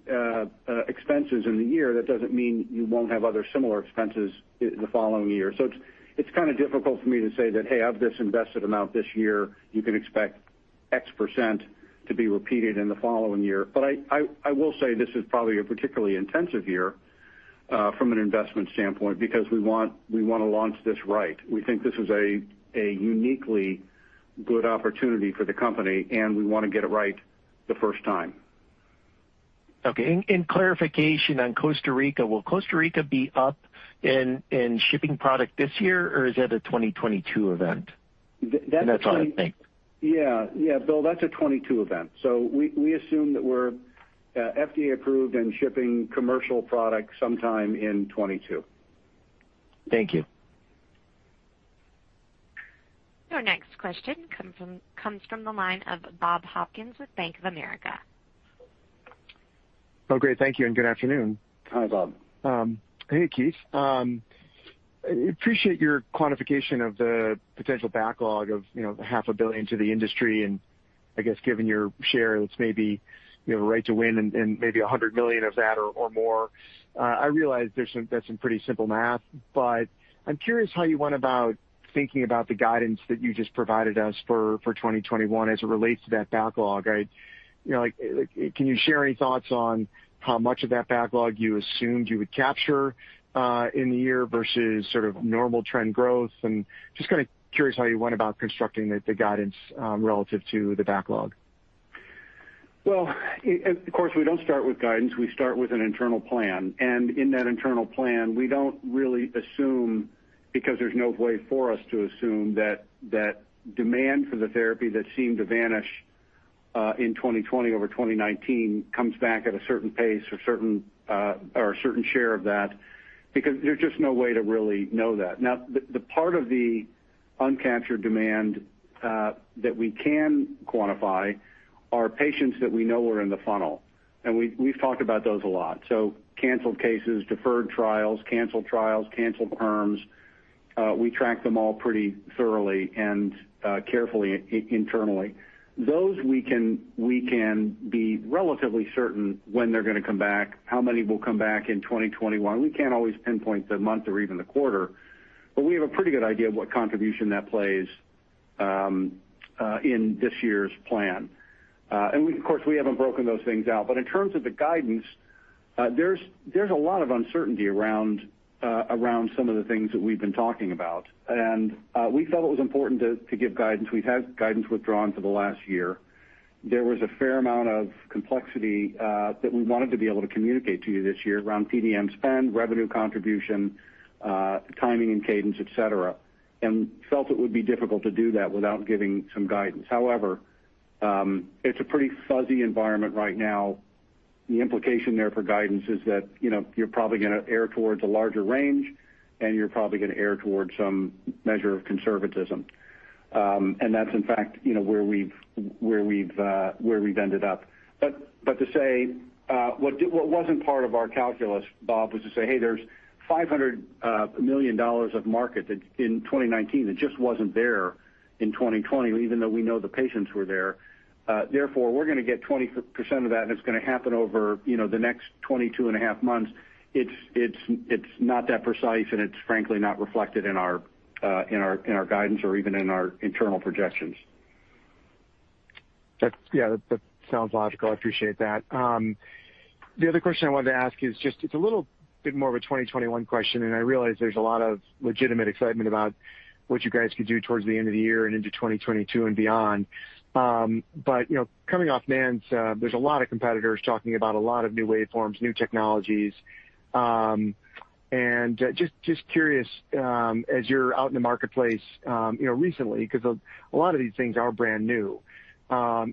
expenses in the year. That doesn't mean you won't have other similar expenses the following year. It's kind of difficult for me to say that, hey, of this invested amount this year, you can expect X percent to be repeated in the following year. I will say this is probably a particularly intensive year from an investment standpoint because we want to launch this right. We think this is a uniquely good opportunity for the company, and we want to get it right the first time. Okay. Clarification on Costa Rica, will Costa Rica be up and shipping product this year, or is that a 2022 event? That's- That's all I think. Yeah, Bill, that's a 2022 event. We assume that we're FDA approved and shipping commercial product sometime in 2022. Thank you. Your next question comes from the line of Bob Hopkins with Bank of America. Oh, great. Thank you and good afternoon. Hi, Bob. Hey, Keith. Appreciate your quantification of the potential backlog of half a billion to the industry, and I guess given your share, it's maybe right to win and maybe $100 million of that or more. I realize that's some pretty simple math, but I'm curious how you went about thinking about the guidance that you just provided us for 2021 as it relates to that backlog. Can you share any thoughts on how much of that backlog you assumed you would capture in the year versus sort of normal trend growth? I'm just kind of curious how you went about constructing the guidance relative to the backlog? Of course, we don't start with guidance. We start with an internal plan. In that internal plan, we don't really assume because there's no way for us to assume that that demand for the therapy that seemed to vanish in 2020 over 2019 comes back at a certain pace or a certain share of that because there's just no way to really know that. Now, the part of the uncaptured demand that we can quantify are patients that we know are in the funnel, and we've talked about those a lot. Canceled cases, deferred trials, canceled trials, canceled perms, we track them all pretty thoroughly and carefully internally. Those we can be relatively certain when they're going to come back, how many will come back in 2021. We can't always pinpoint the month or even the quarter, but we have a pretty good idea of what contribution that plays in this year's plan. Of course, we haven't broken those things out. In terms of the guidance, there's a lot of uncertainty around some of the things that we've been talking about. We felt it was important to give guidance. We've had guidance withdrawn for the last year. There was a fair amount of complexity that we wanted to be able to communicate to you this year around PDN spend, revenue contribution, timing and cadence, et cetera, and felt it would be difficult to do that without giving some guidance. However, it's a pretty fuzzy environment right now. The implication there for guidance is that you're probably going to err towards a larger range, and you're probably going to err towards some measure of conservatism. That's in fact where we've ended up. What wasn't part of our calculus, Bob, was to say, "Hey, there's $500 million of market in 2019 that just wasn't there in 2020, even though we know the patients were there. We're going to get 20% of that, and it's going to happen over the next 22 and a half months." It's not that precise, and it's frankly not reflected in our guidance or even in our internal projections. Yeah, that sounds logical. I appreciate that. The other question I wanted to ask is just, it's a little bit more of a 2021 question. I realize there's a lot of legitimate excitement about what you guys could do towards the end of the year and into 2022 and beyond. Coming off NANS, there's a lot of competitors talking about a lot of new waveforms, new technologies. Just curious, as you're out in the marketplace recently, because a lot of these things are brand new,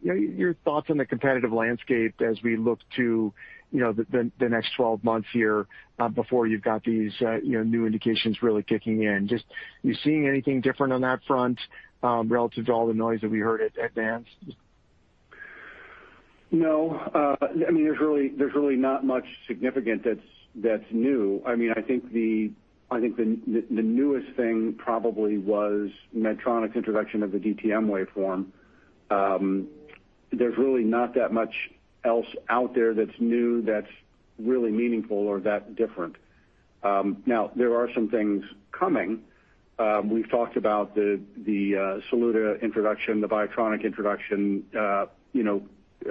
your thoughts on the competitive landscape as we look to the next 12 months here before you've got these new indications really kicking in. Just you seeing anything different on that front relative to all the noise that we heard at NANS? No. There's really not much significant that's new. I think the newest thing probably was Medtronic's introduction of the DTM waveform. There's really not that much else out there that's new that's really meaningful or that different. There are some things coming. We've talked about the Saluda introduction, the BIOTRONIK introduction.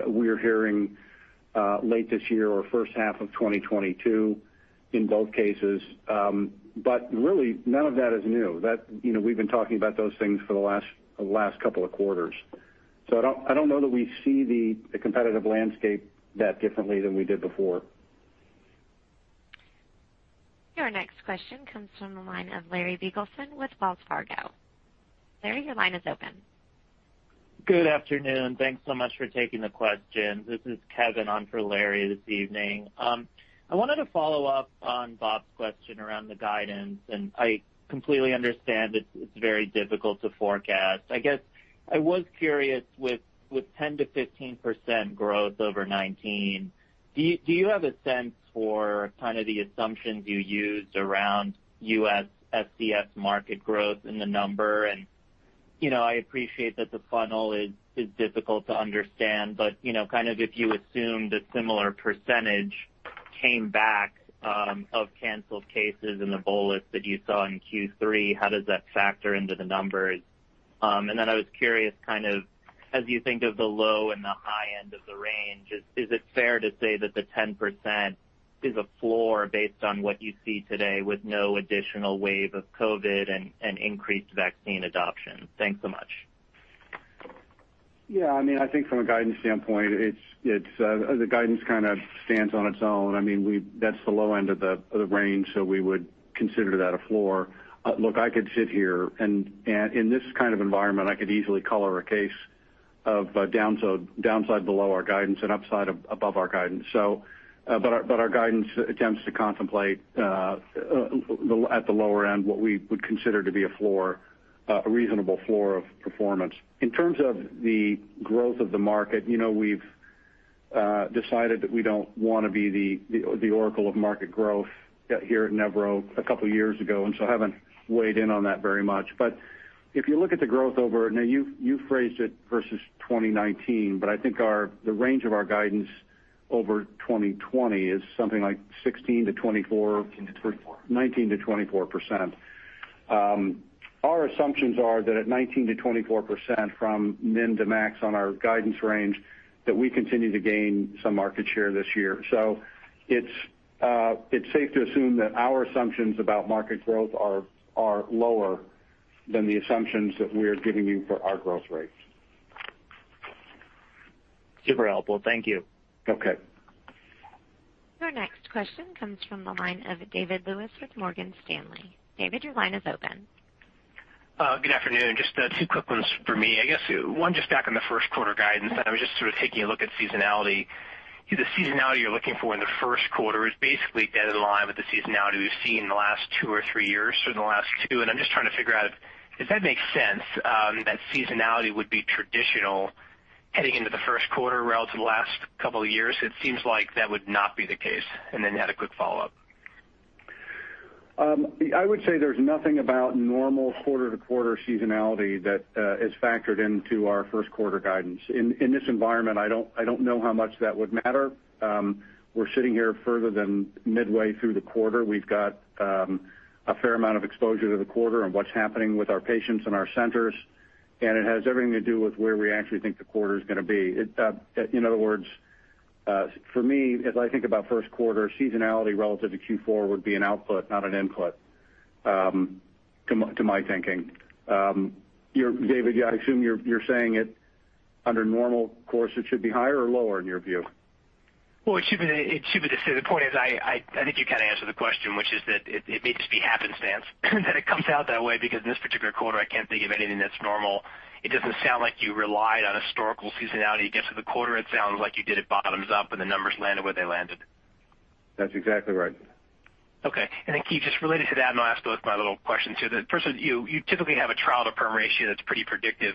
We're hearing late this year or first half of 2022 in both cases. Really none of that is new. We've been talking about those things for the last couple of quarters. So I don't know that we see the competitive landscape that differently than we did before. Your next question comes from the line of Larry Biegelsen with Wells Fargo. Larry, your line is open. Good afternoon. Thanks so much for taking the questions. This is Kevin on for Larry this evening. I wanted to follow up on Bob's question around the guidance. I completely understand it's very difficult to forecast. I guess I was curious with 10%-15% growth over 2019, do you have a sense for kind of the assumptions you used around U.S. SCS market growth in the number? I appreciate that the funnel is difficult to understand, but, kind of if you assumed a similar percentage came back, of canceled cases in the bullets that you saw in Q3, how does that factor into the numbers? I was curious, as you think of the low and the high end of the range, is it fair to say that the 10% is a floor based on what you see today with no additional wave of COVID and increased vaccine adoption? Thanks so much. Yeah, I think from a guidance standpoint, the guidance kind of stands on its own. That's the low end of the range, so we would consider that a floor. Look, I could sit here and in this kind of environment, I could easily color a case of downside below our guidance and upside above our guidance. Our guidance attempts to contemplate, at the lower end, what we would consider to be a reasonable floor of performance. In terms of the growth of the market, we've decided that we don't want to be the oracle of market growth here at Nevro a couple of years ago, and so I haven't weighed in on that very much. If you look at the growth over, now, you phrased it versus 2019, but I think the range of our guidance over 2020 is something like 16%-24%. 19%-24%. 19%-24%. Our assumptions are that at 19%-24%, from min to max on our guidance range, that we continue to gain some market share this year. It's safe to assume that our assumptions about market growth are lower than the assumptions that we are giving you for our growth rates. Super helpful. Thank you. Okay. Your next question comes from the line of David Lewis with Morgan Stanley. David, your line is open. Good afternoon. Just two quick ones for me. I guess one just back on the first quarter guidance. I was just sort of taking a look at seasonality. The seasonality you're looking for in the first quarter is basically dead in line with the seasonality we've seen in the last two or three years, or the last two, I'm just trying to figure out if that makes sense, that seasonality would be traditional heading into the first quarter relative to the last couple of years. It seems like that would not be the case. Then had a quick follow-up. I would say there's nothing about normal quarter-to-quarter seasonality that is factored into our first quarter guidance. In this environment, I don't know how much that would matter. We're sitting here further than midway through the quarter. We've got a fair amount of exposure to the quarter and what's happening with our patients and our centers, and it has everything to do with where we actually think the quarter's going to be. In other words, for me, as I think about first quarter seasonality relative to Q4 would be an output, not an input, to my thinking. David, I assume you're saying it under normal course, it should be higher or lower in your view? Well, it should be this. The point is, I think you kind of answered the question, which is that it may just be happenstance that it comes out that way, because in this particular quarter, I can't think of anything that's normal. It doesn't sound like you relied on historical seasonality to get to the quarter. It sounds like you did it bottoms up and the numbers landed where they landed. That's exactly right. Okay. Keith, just related to that, I'll ask both my little questions here. The first one, you typically have a trial-to-perm ratio that's pretty predictive.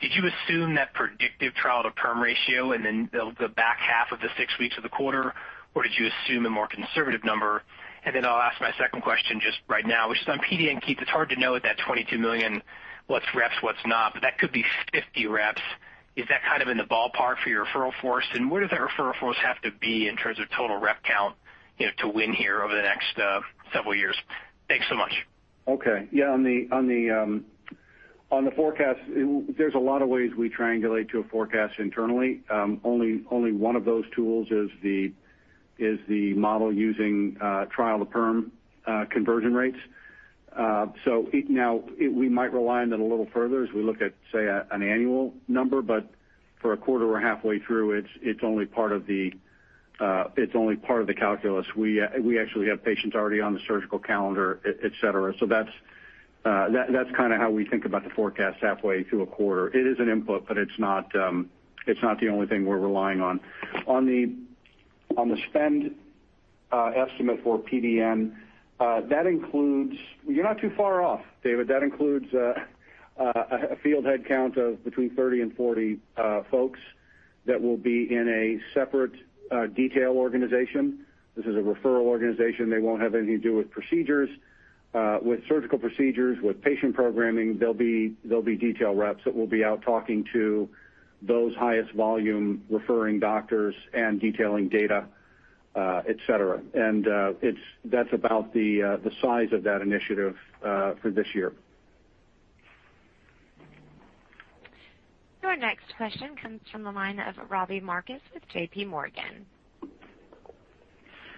Did you assume that predictive trial-to-perm ratio and then the back half of the six weeks of the quarter? Did you assume a more conservative number? I'll ask my second question just right now, which is on PDN, Keith, it's hard to know at that $22 million what's reps, what's not, but that could be 50 reps. Is that kind of in the ballpark for your referral force? Where does that referral force have to be in terms of total rep count to win here over the next several years? Thanks so much. On the forecast, there's a lot of ways we triangulate to a forecast internally. Only one of those tools is the model using trial-to-perm conversion rates. Now we might rely on it a little further as we look at, say, an annual number, but for a quarter we're halfway through, it's only part of the calculus. We actually have patients already on the surgical calendar, et cetera. That's kind of how we think about the forecast halfway through a quarter. It is an input, but it's not the only thing we're relying on. On the spend estimate for PDN, you're not too far off, David. That includes a field headcount of between 30 and 40 folks that will be in a separate detail organization. This is a referral organization. They won't have anything to do with surgical procedures, with patient programming. They'll be detail reps that will be out talking to those highest volume referring doctors and detailing data, et cetera. That's about the size of that initiative for this year. Your next question comes from the line of Robbie Marcus with JPMorgan.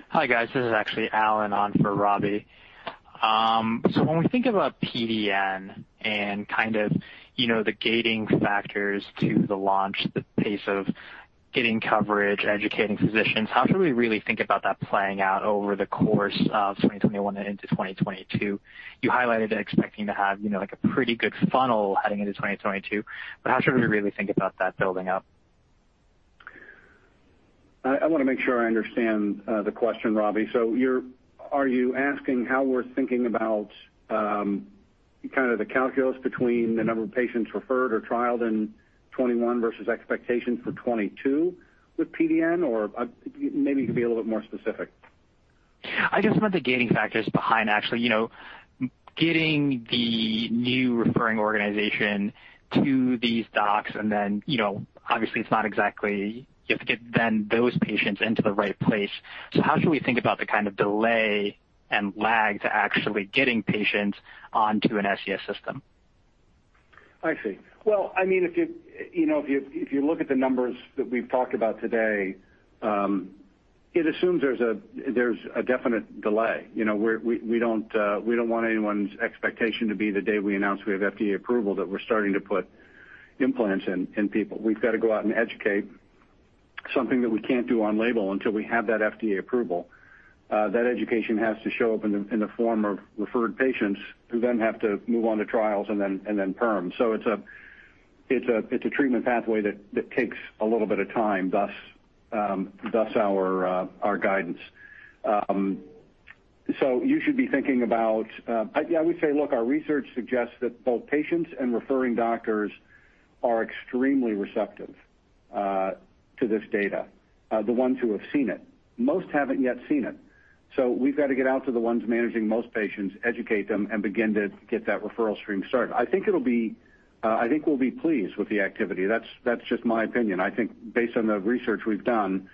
Hi, guys. This is actually Allen on for Robbie. When we think about PDN and kind of the gating factors to the launch, the pace of getting coverage, educating physicians, how should we really think about that playing out over the course of 2021 and into 2022? You highlighted expecting to have a pretty good funnel heading into 2022, but how should we really think about that building up? I want to make sure I understand the question, Robbie. Are you asking how we're thinking about kind of the calculus between the number of patients referred or trialed in 2021 versus expectations for 2022 with PDN? Or maybe you can be a little bit more specific. I guess what the gating factor is behind actually getting the new referring organization to these docs. Obviously, you have to get those patients into the right place. How should we think about the kind of delay and lag to actually getting patients onto an SCS system? I see. Well, if you look at the numbers that we've talked about today, it assumes there's a definite delay. We don't want anyone's expectation to be the day we announce we have FDA approval, that we're starting to put implants in people. We've got to go out and educate, something that we can't do on label until we have that FDA approval. That education has to show up in the form of referred patients who then have to move on to trials, and then perm. It's a treatment pathway that takes a little bit of time, thus our guidance. You should be thinking about I would say, look, our research suggests that both patients and referring doctors are extremely receptive to this data, the ones who have seen it. Most haven't yet seen it. We've got to get out to the ones managing most patients, educate them, and begin to get that referral stream started. I think we'll be pleased with the activity. That's just my opinion. I think based on the research we've done,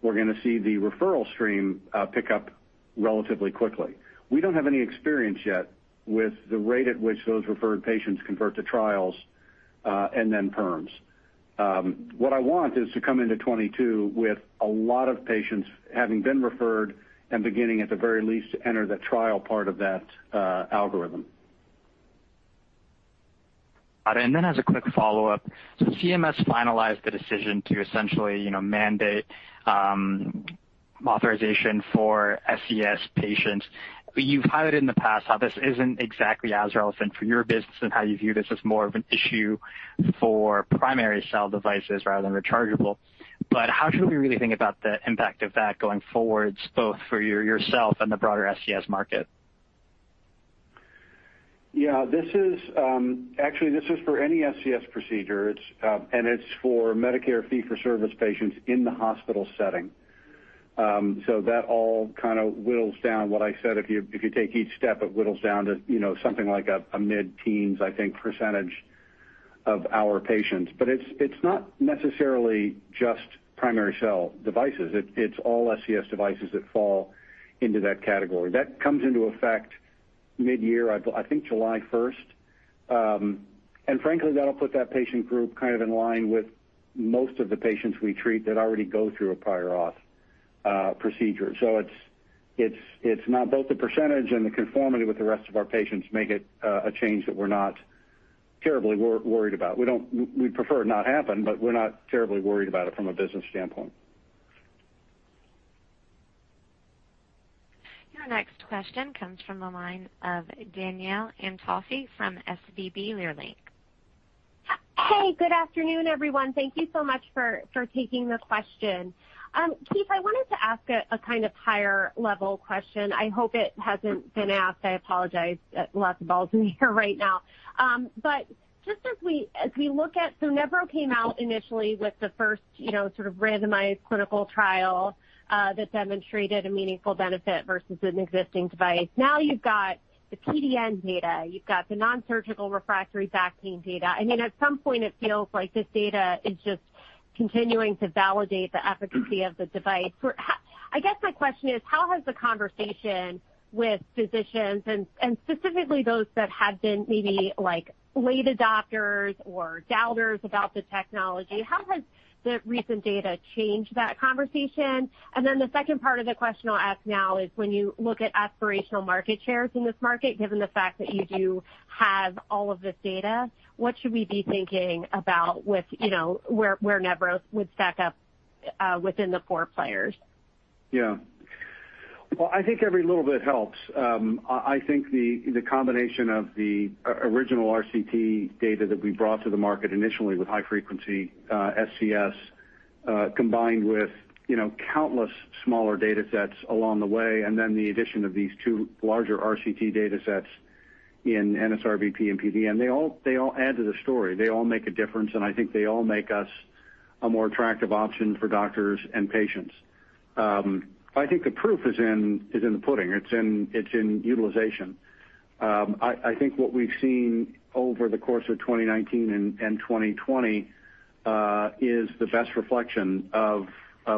we're going to see the referral stream pick up relatively quickly. We don't have any experience yet with the rate at which those referred patients convert to trials, and then perms. What I want is to come into 2022 with a lot of patients having been referred and beginning, at the very least, to enter the trial part of that algorithm. Got it. As a quick follow-up, CMS finalized the decision to essentially mandate authorization for SCS patients. You've highlighted in the past how this isn't exactly as relevant for your business and how you view this as more of an issue for primary cell devices rather than rechargeable. How should we really think about the impact of that going forwards, both for yourself and the broader SCS market? Yeah. Actually, this is for any SCS procedure, and it's for Medicare fee-for-service patients in the hospital setting. That all kind of whittles down what I said. If you take each step, it whittles down to something like a mid-teens, I think, percentage of our patients. It's not necessarily just primary cell devices. It's all SCS devices that fall into that category. That comes into effect mid-year, I think July 1st. Frankly, that'll put that patient group kind of in line with most of the patients we treat that already go through a prior auth procedure. Both the percentage and the conformity with the rest of our patients make it a change that we're not terribly worried about. We'd prefer it not happen, but we're not terribly worried about it from a business standpoint. Your next question comes from the line of Danielle Antalffy from SVB Leerink. Hey, good afternoon, everyone. Thank you so much for taking the question. Keith, I wanted to ask a kind of higher-level question. I hope it hasn't been asked. I apologize. Lots of balls in the air right now. Just as we look at Nevro came out initially with the first sort of randomized clinical trial that demonstrated a meaningful benefit versus an existing device. Now you've got the PDN data, you've got the nonsurgical refractory back pain data, at some point, it feels like this data is just continuing to validate the efficacy of the device. I guess my question is, how has the conversation with physicians, and specifically those that had been maybe late adopters or doubters about the technology, how has the recent data changed that conversation? The second part of the question I'll ask now is when you look at aspirational market shares in this market, given the fact that you do have all of this data, what should we be thinking about with where Nevro would stack up within the four players? Yeah. Well, I think every little bit helps. I think the combination of the original RCT data that we brought to the market initially with high-frequency SCS, combined with countless smaller data sets along the way, and then the addition of these two larger RCT data sets in NSRBP and PDN, they all add to the story. They all make a difference, and I think they all make us a more attractive option for doctors and patients. I think the proof is in the pudding. It's in utilization. I think what we've seen over the course of 2019 and 2020 is the best reflection of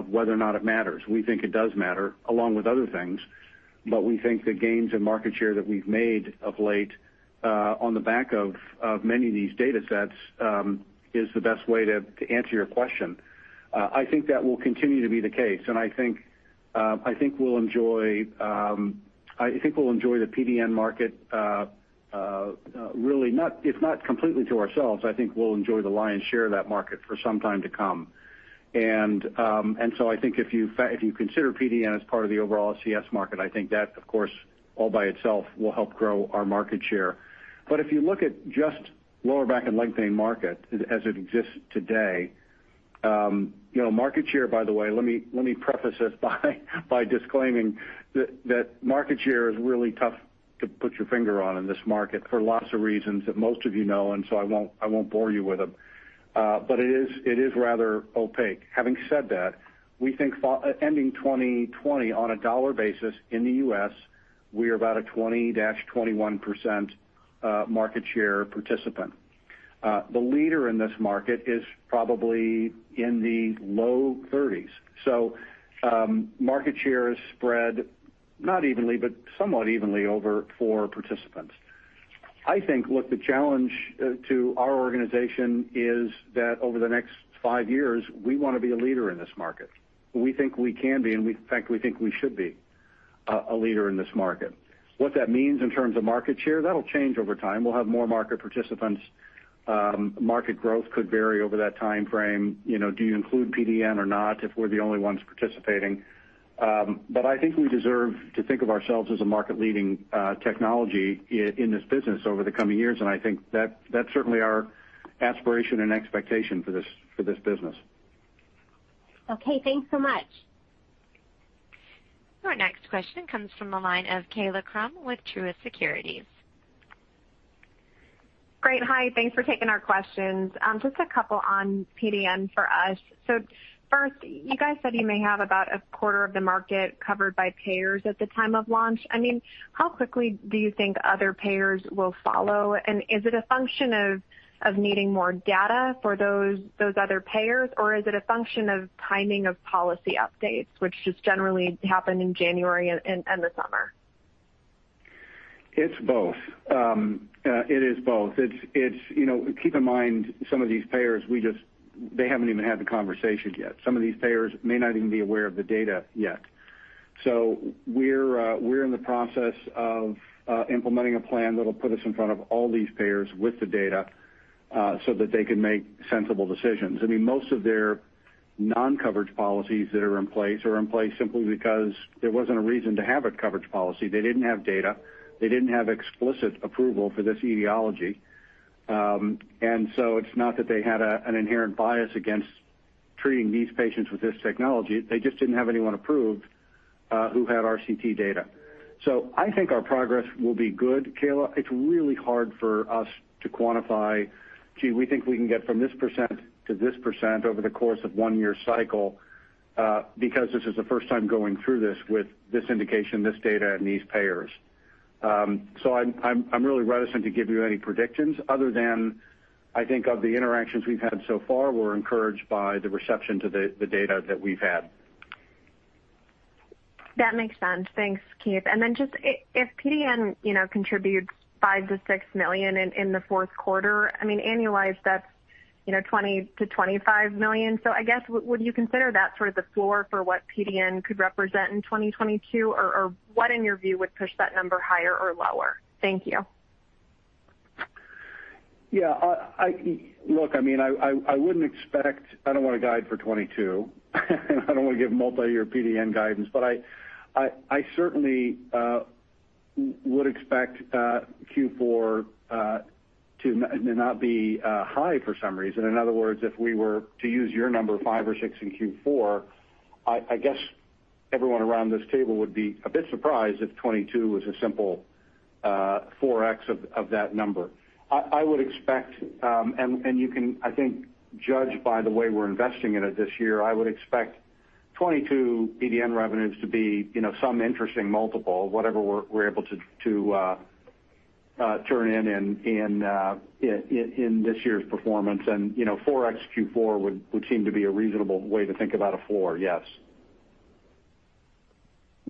whether or not it matters. We think it does matter, along with other things. We think the gains in market share that we've made of late on the back of many of these data sets is the best way to answer your question. I think that will continue to be the case, and I think we'll enjoy the PDN market, really, if not completely to ourselves, I think we'll enjoy the lion's share of that market for some time to come. I think if you consider PDN as part of the overall SCS market, I think that, of course, all by itself will help grow our market share. If you look at just lower back and leg pain market as it exists today, market share, by the way, let me preface this by disclaiming that market share is really tough to put your finger on in this market for lots of reasons that most of you know, and so I won't bore you with them. It is rather opaque. Having said that, we think ending 2020 on a dollar basis in the U.S., we are about a 20%-21% market share participant. The leader in this market is probably in the low-30s. Market share is spread not evenly, but somewhat evenly over four participants. I think what the challenge to our organization is that over the next five years, we want to be a leader in this market. We think we can be, and in fact, we think we should be a leader in this market. What that means in terms of market share, that'll change over time. We'll have more market participants. Market growth could vary over that timeframe. Do you include PDN or not if we're the only ones participating? I think we deserve to think of ourselves as a market-leading technology in this business over the coming years, and I think that's certainly our aspiration and expectation for this business. Okay, thanks so much. Our next question comes from the line of Kaila Krum with Truist Securities. Great. Hi, thanks for taking our questions. Just a couple on PDN for us. First, you guys said you may have about a quarter of the market covered by payers at the time of launch. How quickly do you think other payers will follow? Is it a function of needing more data for those other payers, or is it a function of timing of policy updates, which just generally happen in January and the summer? It's both. Keep in mind, some of these payers, they haven't even had the conversation yet. Some of these payers may not even be aware of the data yet. We're in the process of implementing a plan that'll put us in front of all these payers with the data so that they can make sensible decisions. Most of their non-coverage policies that are in place are in place simply because there wasn't a reason to have a coverage policy. They didn't have data. They didn't have explicit approval for this etiology. It's not that they had an inherent bias against treating these patients with this technology. They just didn't have anyone approved who had RCT data. I think our progress will be good, Kaila. It's really hard for us to quantify, "Gee, we think we can get from this percent to this percent over the course of one year cycle," because this is the first time going through this with this indication, this data, and these payers. I'm really reticent to give you any predictions other than, I think of the interactions we've had so far, we're encouraged by the reception to the data that we've had. That makes sense. Thanks, Keith. Then just if PDN contributes $5 million-$6 million in the fourth quarter, annualized that's $20 million-$25 million. I guess, would you consider that sort of the floor for what PDN could represent in 2022? Or what, in your view, would push that number higher or lower? Thank you. Yeah. Look, I don't want to guide for 2022. I don't want to give multi-year PDN guidance, but I certainly would expect Q4 to not be high for some reason. In other words, if we were to use your number five or six in Q4, I guess everyone around this table would be a bit surprised if 2022 was a simple 4x of that number. I would expect, and you can, I think, judge by the way we're investing in it this year, I would expect 2022 PDN revenues to be some interesting multiple, whatever we're able to turn in in this year's performance. 4x Q4 would seem to be a reasonable way to think about a 4x, yes.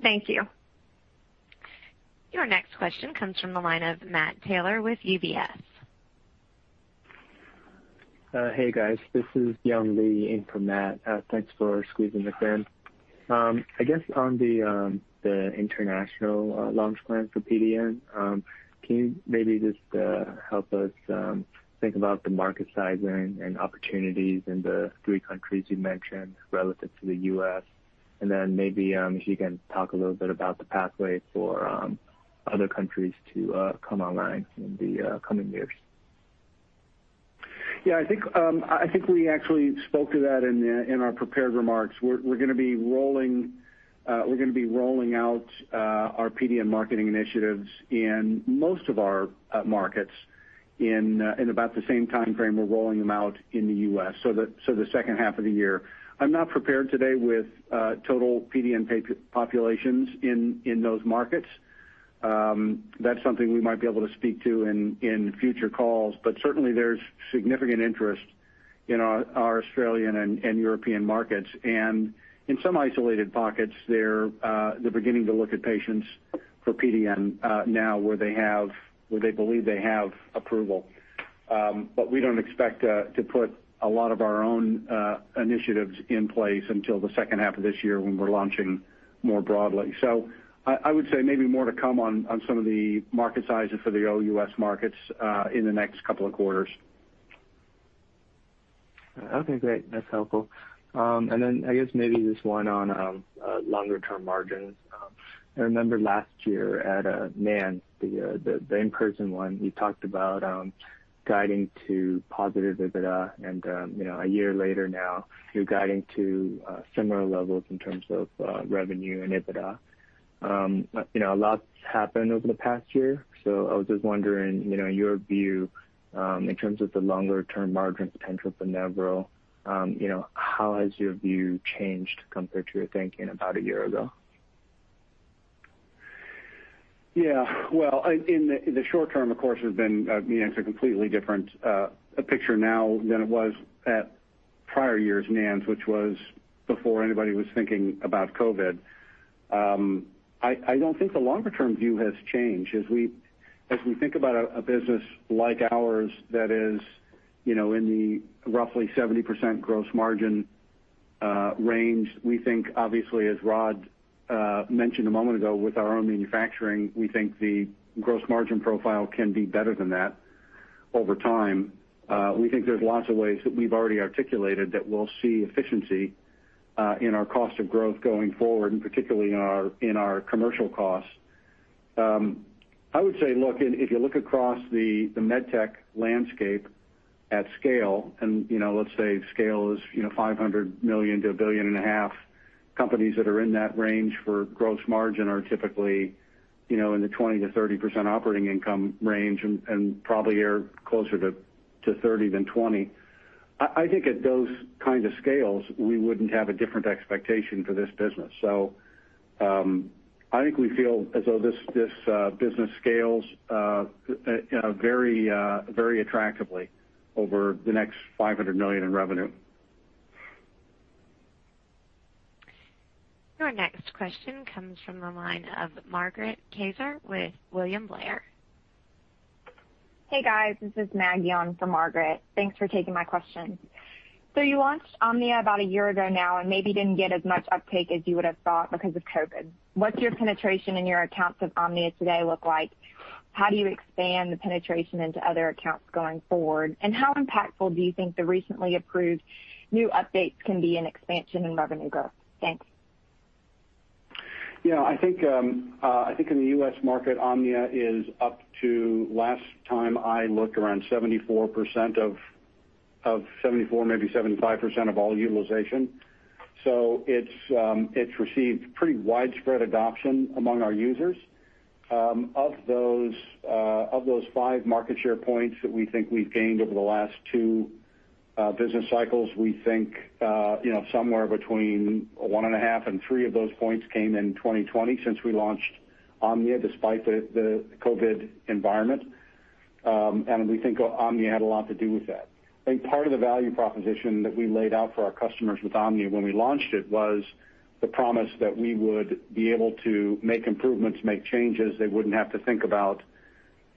Thank you. Your next question comes from the line of Matt Taylor with UBS. Hey, guys. This is Young Li in for Matt. Thanks for squeezing us in. I guess on the international launch plan for PDN, can you maybe just help us think about the market sizing and opportunities in the three countries you mentioned relative to the U.S.? Maybe if you can talk a little bit about the pathway for other countries to come online in the coming years. I think we actually spoke to that in our prepared remarks. We're going to be rolling out our PDN marketing initiatives in most of our markets in about the same timeframe we're rolling them out in the U.S. The second half of the year. I'm not prepared today with total PDN populations in those markets. That's something we might be able to speak to in future calls. Certainly, there's significant interest in our Australian and European markets, and in some isolated pockets, they're beginning to look at patients for PDN now where they believe they have approval. We don't expect to put a lot of our own initiatives in place until the second half of this year when we're launching more broadly. I would say maybe more to come on some of the market sizes for the OUS markets in the next couple of quarters. Okay, great. That's helpful. Then I guess maybe just one on longer-term margins. I remember last year at NANS, the in-person one, you talked about guiding to positive EBITDA and a year later now, you're guiding to similar levels in terms of revenue and EBITDA. A lot's happened over the past year. I was just wondering, your view, in terms of the longer-term margin potential for Nevro. How has your view changed compared to your thinking about a year ago? Yeah. Well, in the short term, of course, it's a completely different picture now than it was at prior years NANS, which was before anybody was thinking about COVID. I don't think the longer-term view has changed. As we think about a business like ours that is in the roughly 70% gross margin range, we think obviously, as Rod mentioned a moment ago, with our own manufacturing, we think the gross margin profile can be better than that over time. We think there's lots of ways that we've already articulated that we'll see efficiency in our cost of growth going forward, and particularly in our commercial costs. I would say, look, if you look across the med tech landscape at scale, and let's say scale is $500 million to $1.5 billion, companies that are in that range for gross margin are typically in the 20%-30% operating income range, and probably are closer to 30% than 20%. I think at those kind of scales, we wouldn't have a different expectation for this business. I think we feel as though this business scales very attractively over the next $500 million in revenue. Your next question comes from the line of Margaret Kaczor with William Blair. Hey, guys, this is Maggie on for Margaret. Thanks for taking my questions. You launched Omnia about a year ago now and maybe didn't get as much uptake as you would have thought because of COVID. What's your penetration and your accounts of Omnia today look like? How do you expand the penetration into other accounts going forward? How impactful do you think the recently approved new updates can be in expansion and revenue growth? Thanks. I think in the U.S. market, Omnia is up to, last time I looked, around 74%, maybe 75% of all utilization. It's received pretty widespread adoption among our users. Of those five market share points that we think we've gained over the last two business cycles, we think somewhere between one and a half and three of those points came in 2020 since we launched Omnia, despite the COVID environment. We think Omnia had a lot to do with that. I think part of the value proposition that we laid out for our customers with Omnia when we launched it was the promise that we would be able to make improvements, make changes. They wouldn't have to think about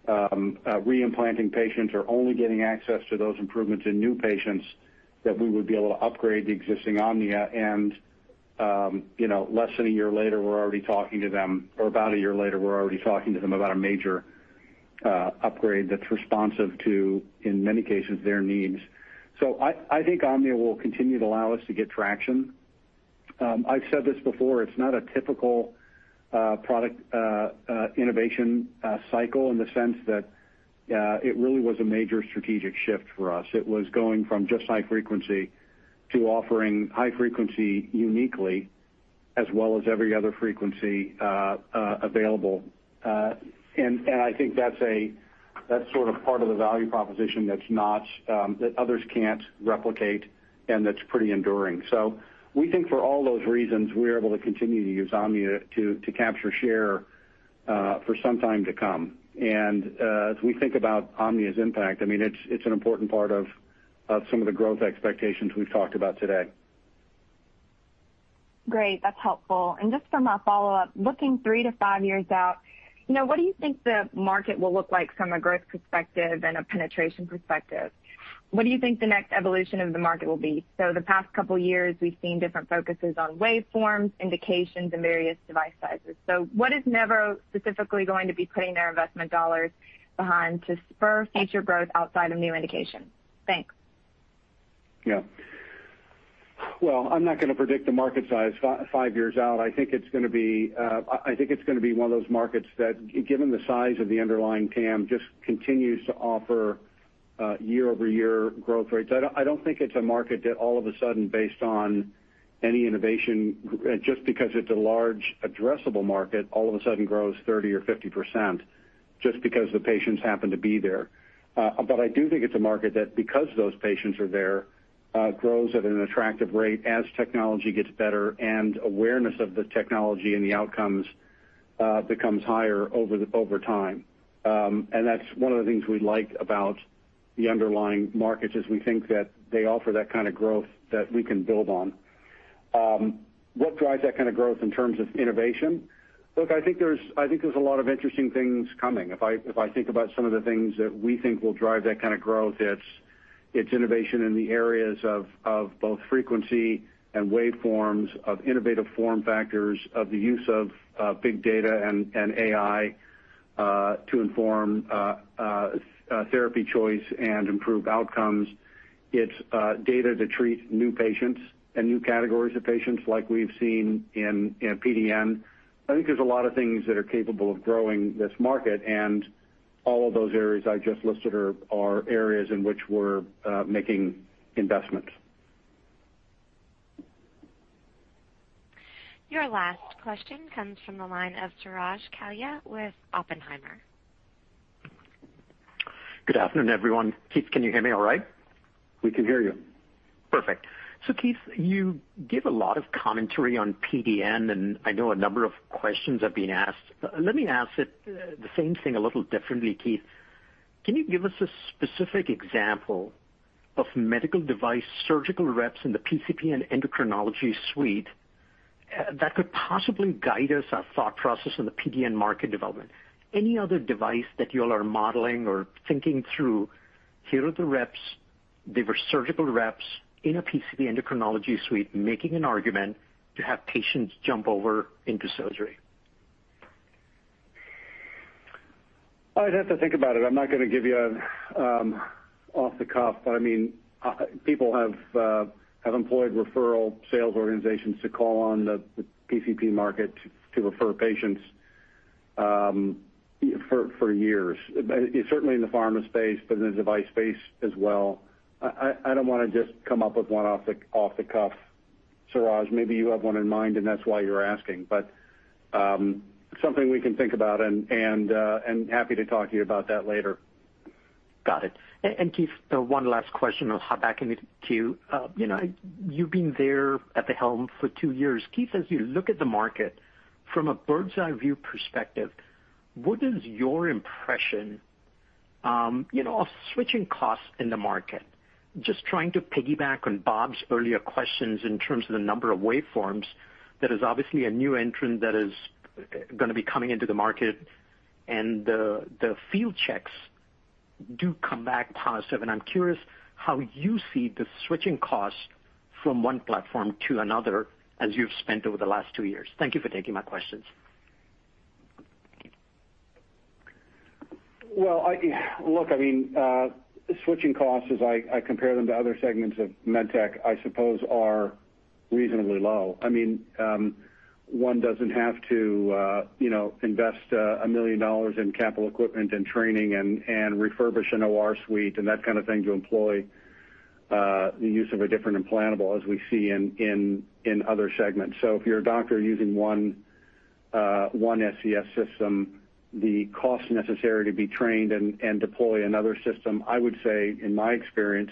re-implanting patients or only getting access to those improvements in new patients, that we would be able to upgrade the existing Omnia and less than a year later, we're already talking to them, or about a year later, we're already talking to them about a major upgrade that's responsive to, in many cases, their needs. I think Omnia will continue to allow us to get traction. I've said this before, it's not a typical product innovation cycle in the sense that it really was a major strategic shift for us. It was going from just high frequency to offering high frequency uniquely as well as every other frequency available. I think that's sort of part of the value proposition that others can't replicate, and that's pretty enduring. We think for all those reasons, we're able to continue to use Omnia to capture share for some time to come. As we think about Omnia's impact, it's an important part of some of the growth expectations we've talked about today. Great. That's helpful. Just from a follow-up, looking three to five years out, what do you think the market will look like from a growth perspective and a penetration perspective? What do you think the next evolution of the market will be? The past couple of years, we've seen different focuses on waveforms, indications, and various device sizes. What is Nevro specifically going to be putting their investment dollars behind to spur future growth outside of new indications? Thanks. Yeah. Well, I'm not going to predict the market size five years out. I think it's going to be one of those markets that, given the size of the underlying TAM, just continues to offer year-over-year growth rates. I don't think it's a market that all of a sudden based on any innovation, just because it's a large addressable market, all of a sudden grows 30% or 50% just because the patients happen to be there. I do think it's a market that because those patients are there, grows at an attractive rate as technology gets better and awareness of the technology and the outcomes becomes higher over time. That's one of the things we like about the underlying markets, is we think that they offer that kind of growth that we can build on. What drives that kind of growth in terms of innovation? I think there's a lot of interesting things coming. If I think about some of the things that we think will drive that kind of growth, it's innovation in the areas of both frequency and waveforms, of innovative form factors, of the use of big data and AI to inform therapy choice and improve outcomes. It's data to treat new patients and new categories of patients like we've seen in PDN. I think there's a lot of things that are capable of growing this market. All of those areas I just listed are areas in which we're making investments. Your last question comes from the line of Suraj Kalia with Oppenheimer. Good afternoon, everyone. Keith, can you hear me all right? We can hear you. Perfect. Keith, you give a lot of commentary on PDN, and I know a number of questions are being asked. Let me ask it the same thing a little differently, Keith. Can you give us a specific example of medical device surgical reps in the PCP and endocrinology suite that could possibly guide us, a thought process in the PDN market development? Any other device that you all are modeling or thinking through, here are the reps, they were surgical reps in a PCP endocrinology suite making an argument to have patients jump over into surgery. I'd have to think about it. I'm not going to give you off the cuff. People have employed referral sales organizations to call on the PCP market to refer patients for years. Certainly in the pharma space, but in the device space as well. I don't want to just come up with one off the cuff. Suraj, maybe you have one in mind and that's why you're asking, but something we can think about and happy to talk to you about that later. Got it. Keith, one last question. I'll hop back into queue. You've been there at the helm for two years. Keith, as you look at the market from a bird's eye view perspective, what is your impression of switching costs in the market? Just trying to piggyback on Bob's earlier questions in terms of the number of waveforms that is obviously a new entrant that is going to be coming into the market and the field checks do come back positive, and I'm curious how you see the switching costs from one platform to another as you've spent over the last two years. Thank you for taking my questions. Look, switching costs as I compare them to other segments of med tech, I suppose are reasonably low. One doesn't have to invest $1 million in capital equipment and training and refurbish an OR suite and that kind of thing to employ the use of a different implantable as we see in other segments. If you're a doctor using one SCS system, the cost necessary to be trained and deploy another system, I would say in my experience,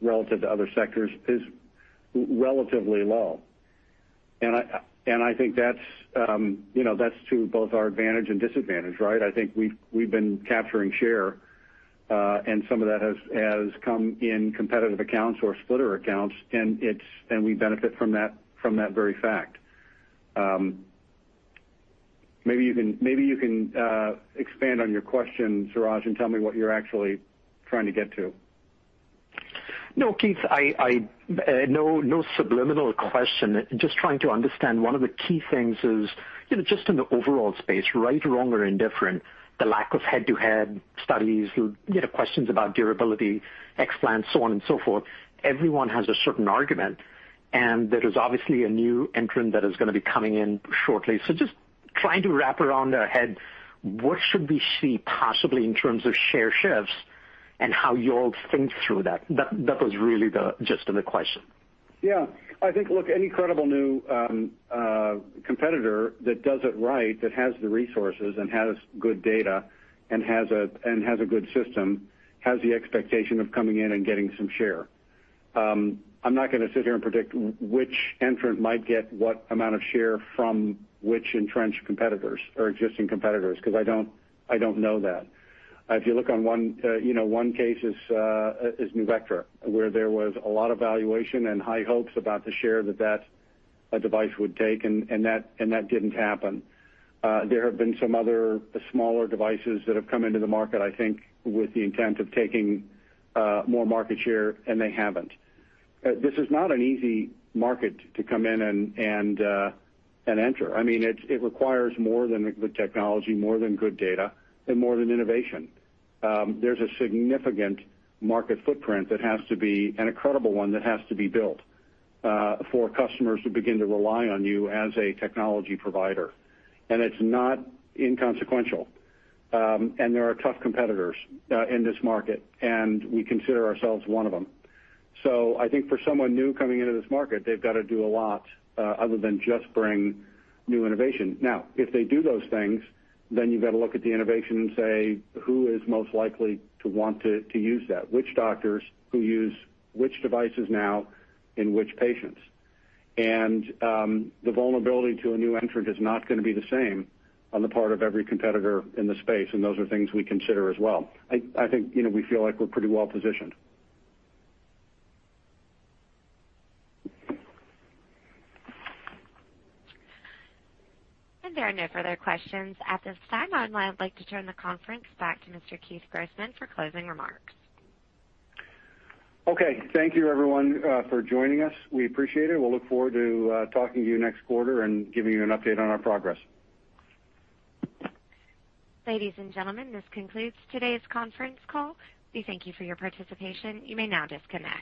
relative to other sectors, is relatively low. I think that's to both our advantage and disadvantage, right? I think we've been capturing share, and some of that has come in competitive accounts or splitter accounts, and we benefit from that very fact. Maybe you can expand on your question, Suraj, and tell me what you're actually trying to get to. No, Keith, no subliminal question. Just trying to understand one of the key things is, just in the overall space, right, wrong or indifferent, the lack of head-to-head studies, questions about durability, explants, so on and so forth. Everyone has a certain argument, and there is obviously a new entrant that is going to be coming in shortly. Just trying to wrap around our head, what should we see possibly in terms of share shifts and how you all think through that. That was really the gist of the question. Yeah. I think any credible new competitor that does it right, that has the resources and has good data and has a good system, has the expectation of coming in and getting some share. I'm not going to sit here and predict which entrant might get what amount of share from which entrenched competitors or existing competitors because I don't know that. If you look on one case is Nuvectra, where there was a lot of valuation and high hopes about the share that that device would take, and that didn't happen. There have been some other smaller devices that have come into the market, I think with the intent of taking more market share, and they haven't. This is not an easy market to come in and enter. It requires more than good technology, more than good data, and more than innovation. There's a significant market footprint that has to be, and a credible one that has to be built for customers to begin to rely on you as a technology provider. It's not inconsequential. There are tough competitors in this market, and we consider ourselves one of them. I think for someone new coming into this market, they've got to do a lot other than just bring new innovation. If they do those things, then you've got to look at the innovation and say, who is most likely to want to use that? Which doctors who use which devices now in which patients? The vulnerability to a new entrant is not going to be the same on the part of every competitor in the space, and those are things we consider as well. I think we feel like we're pretty well positioned. There are no further questions at this time. I would like to turn the conference back to Mr. Keith Grossman for closing remarks. Okay. Thank you everyone for joining us. We appreciate it. We'll look forward to talking to you next quarter and giving you an update on our progress. Ladies and gentlemen, this concludes today's conference call. We thank you for your participation. You may now disconnect.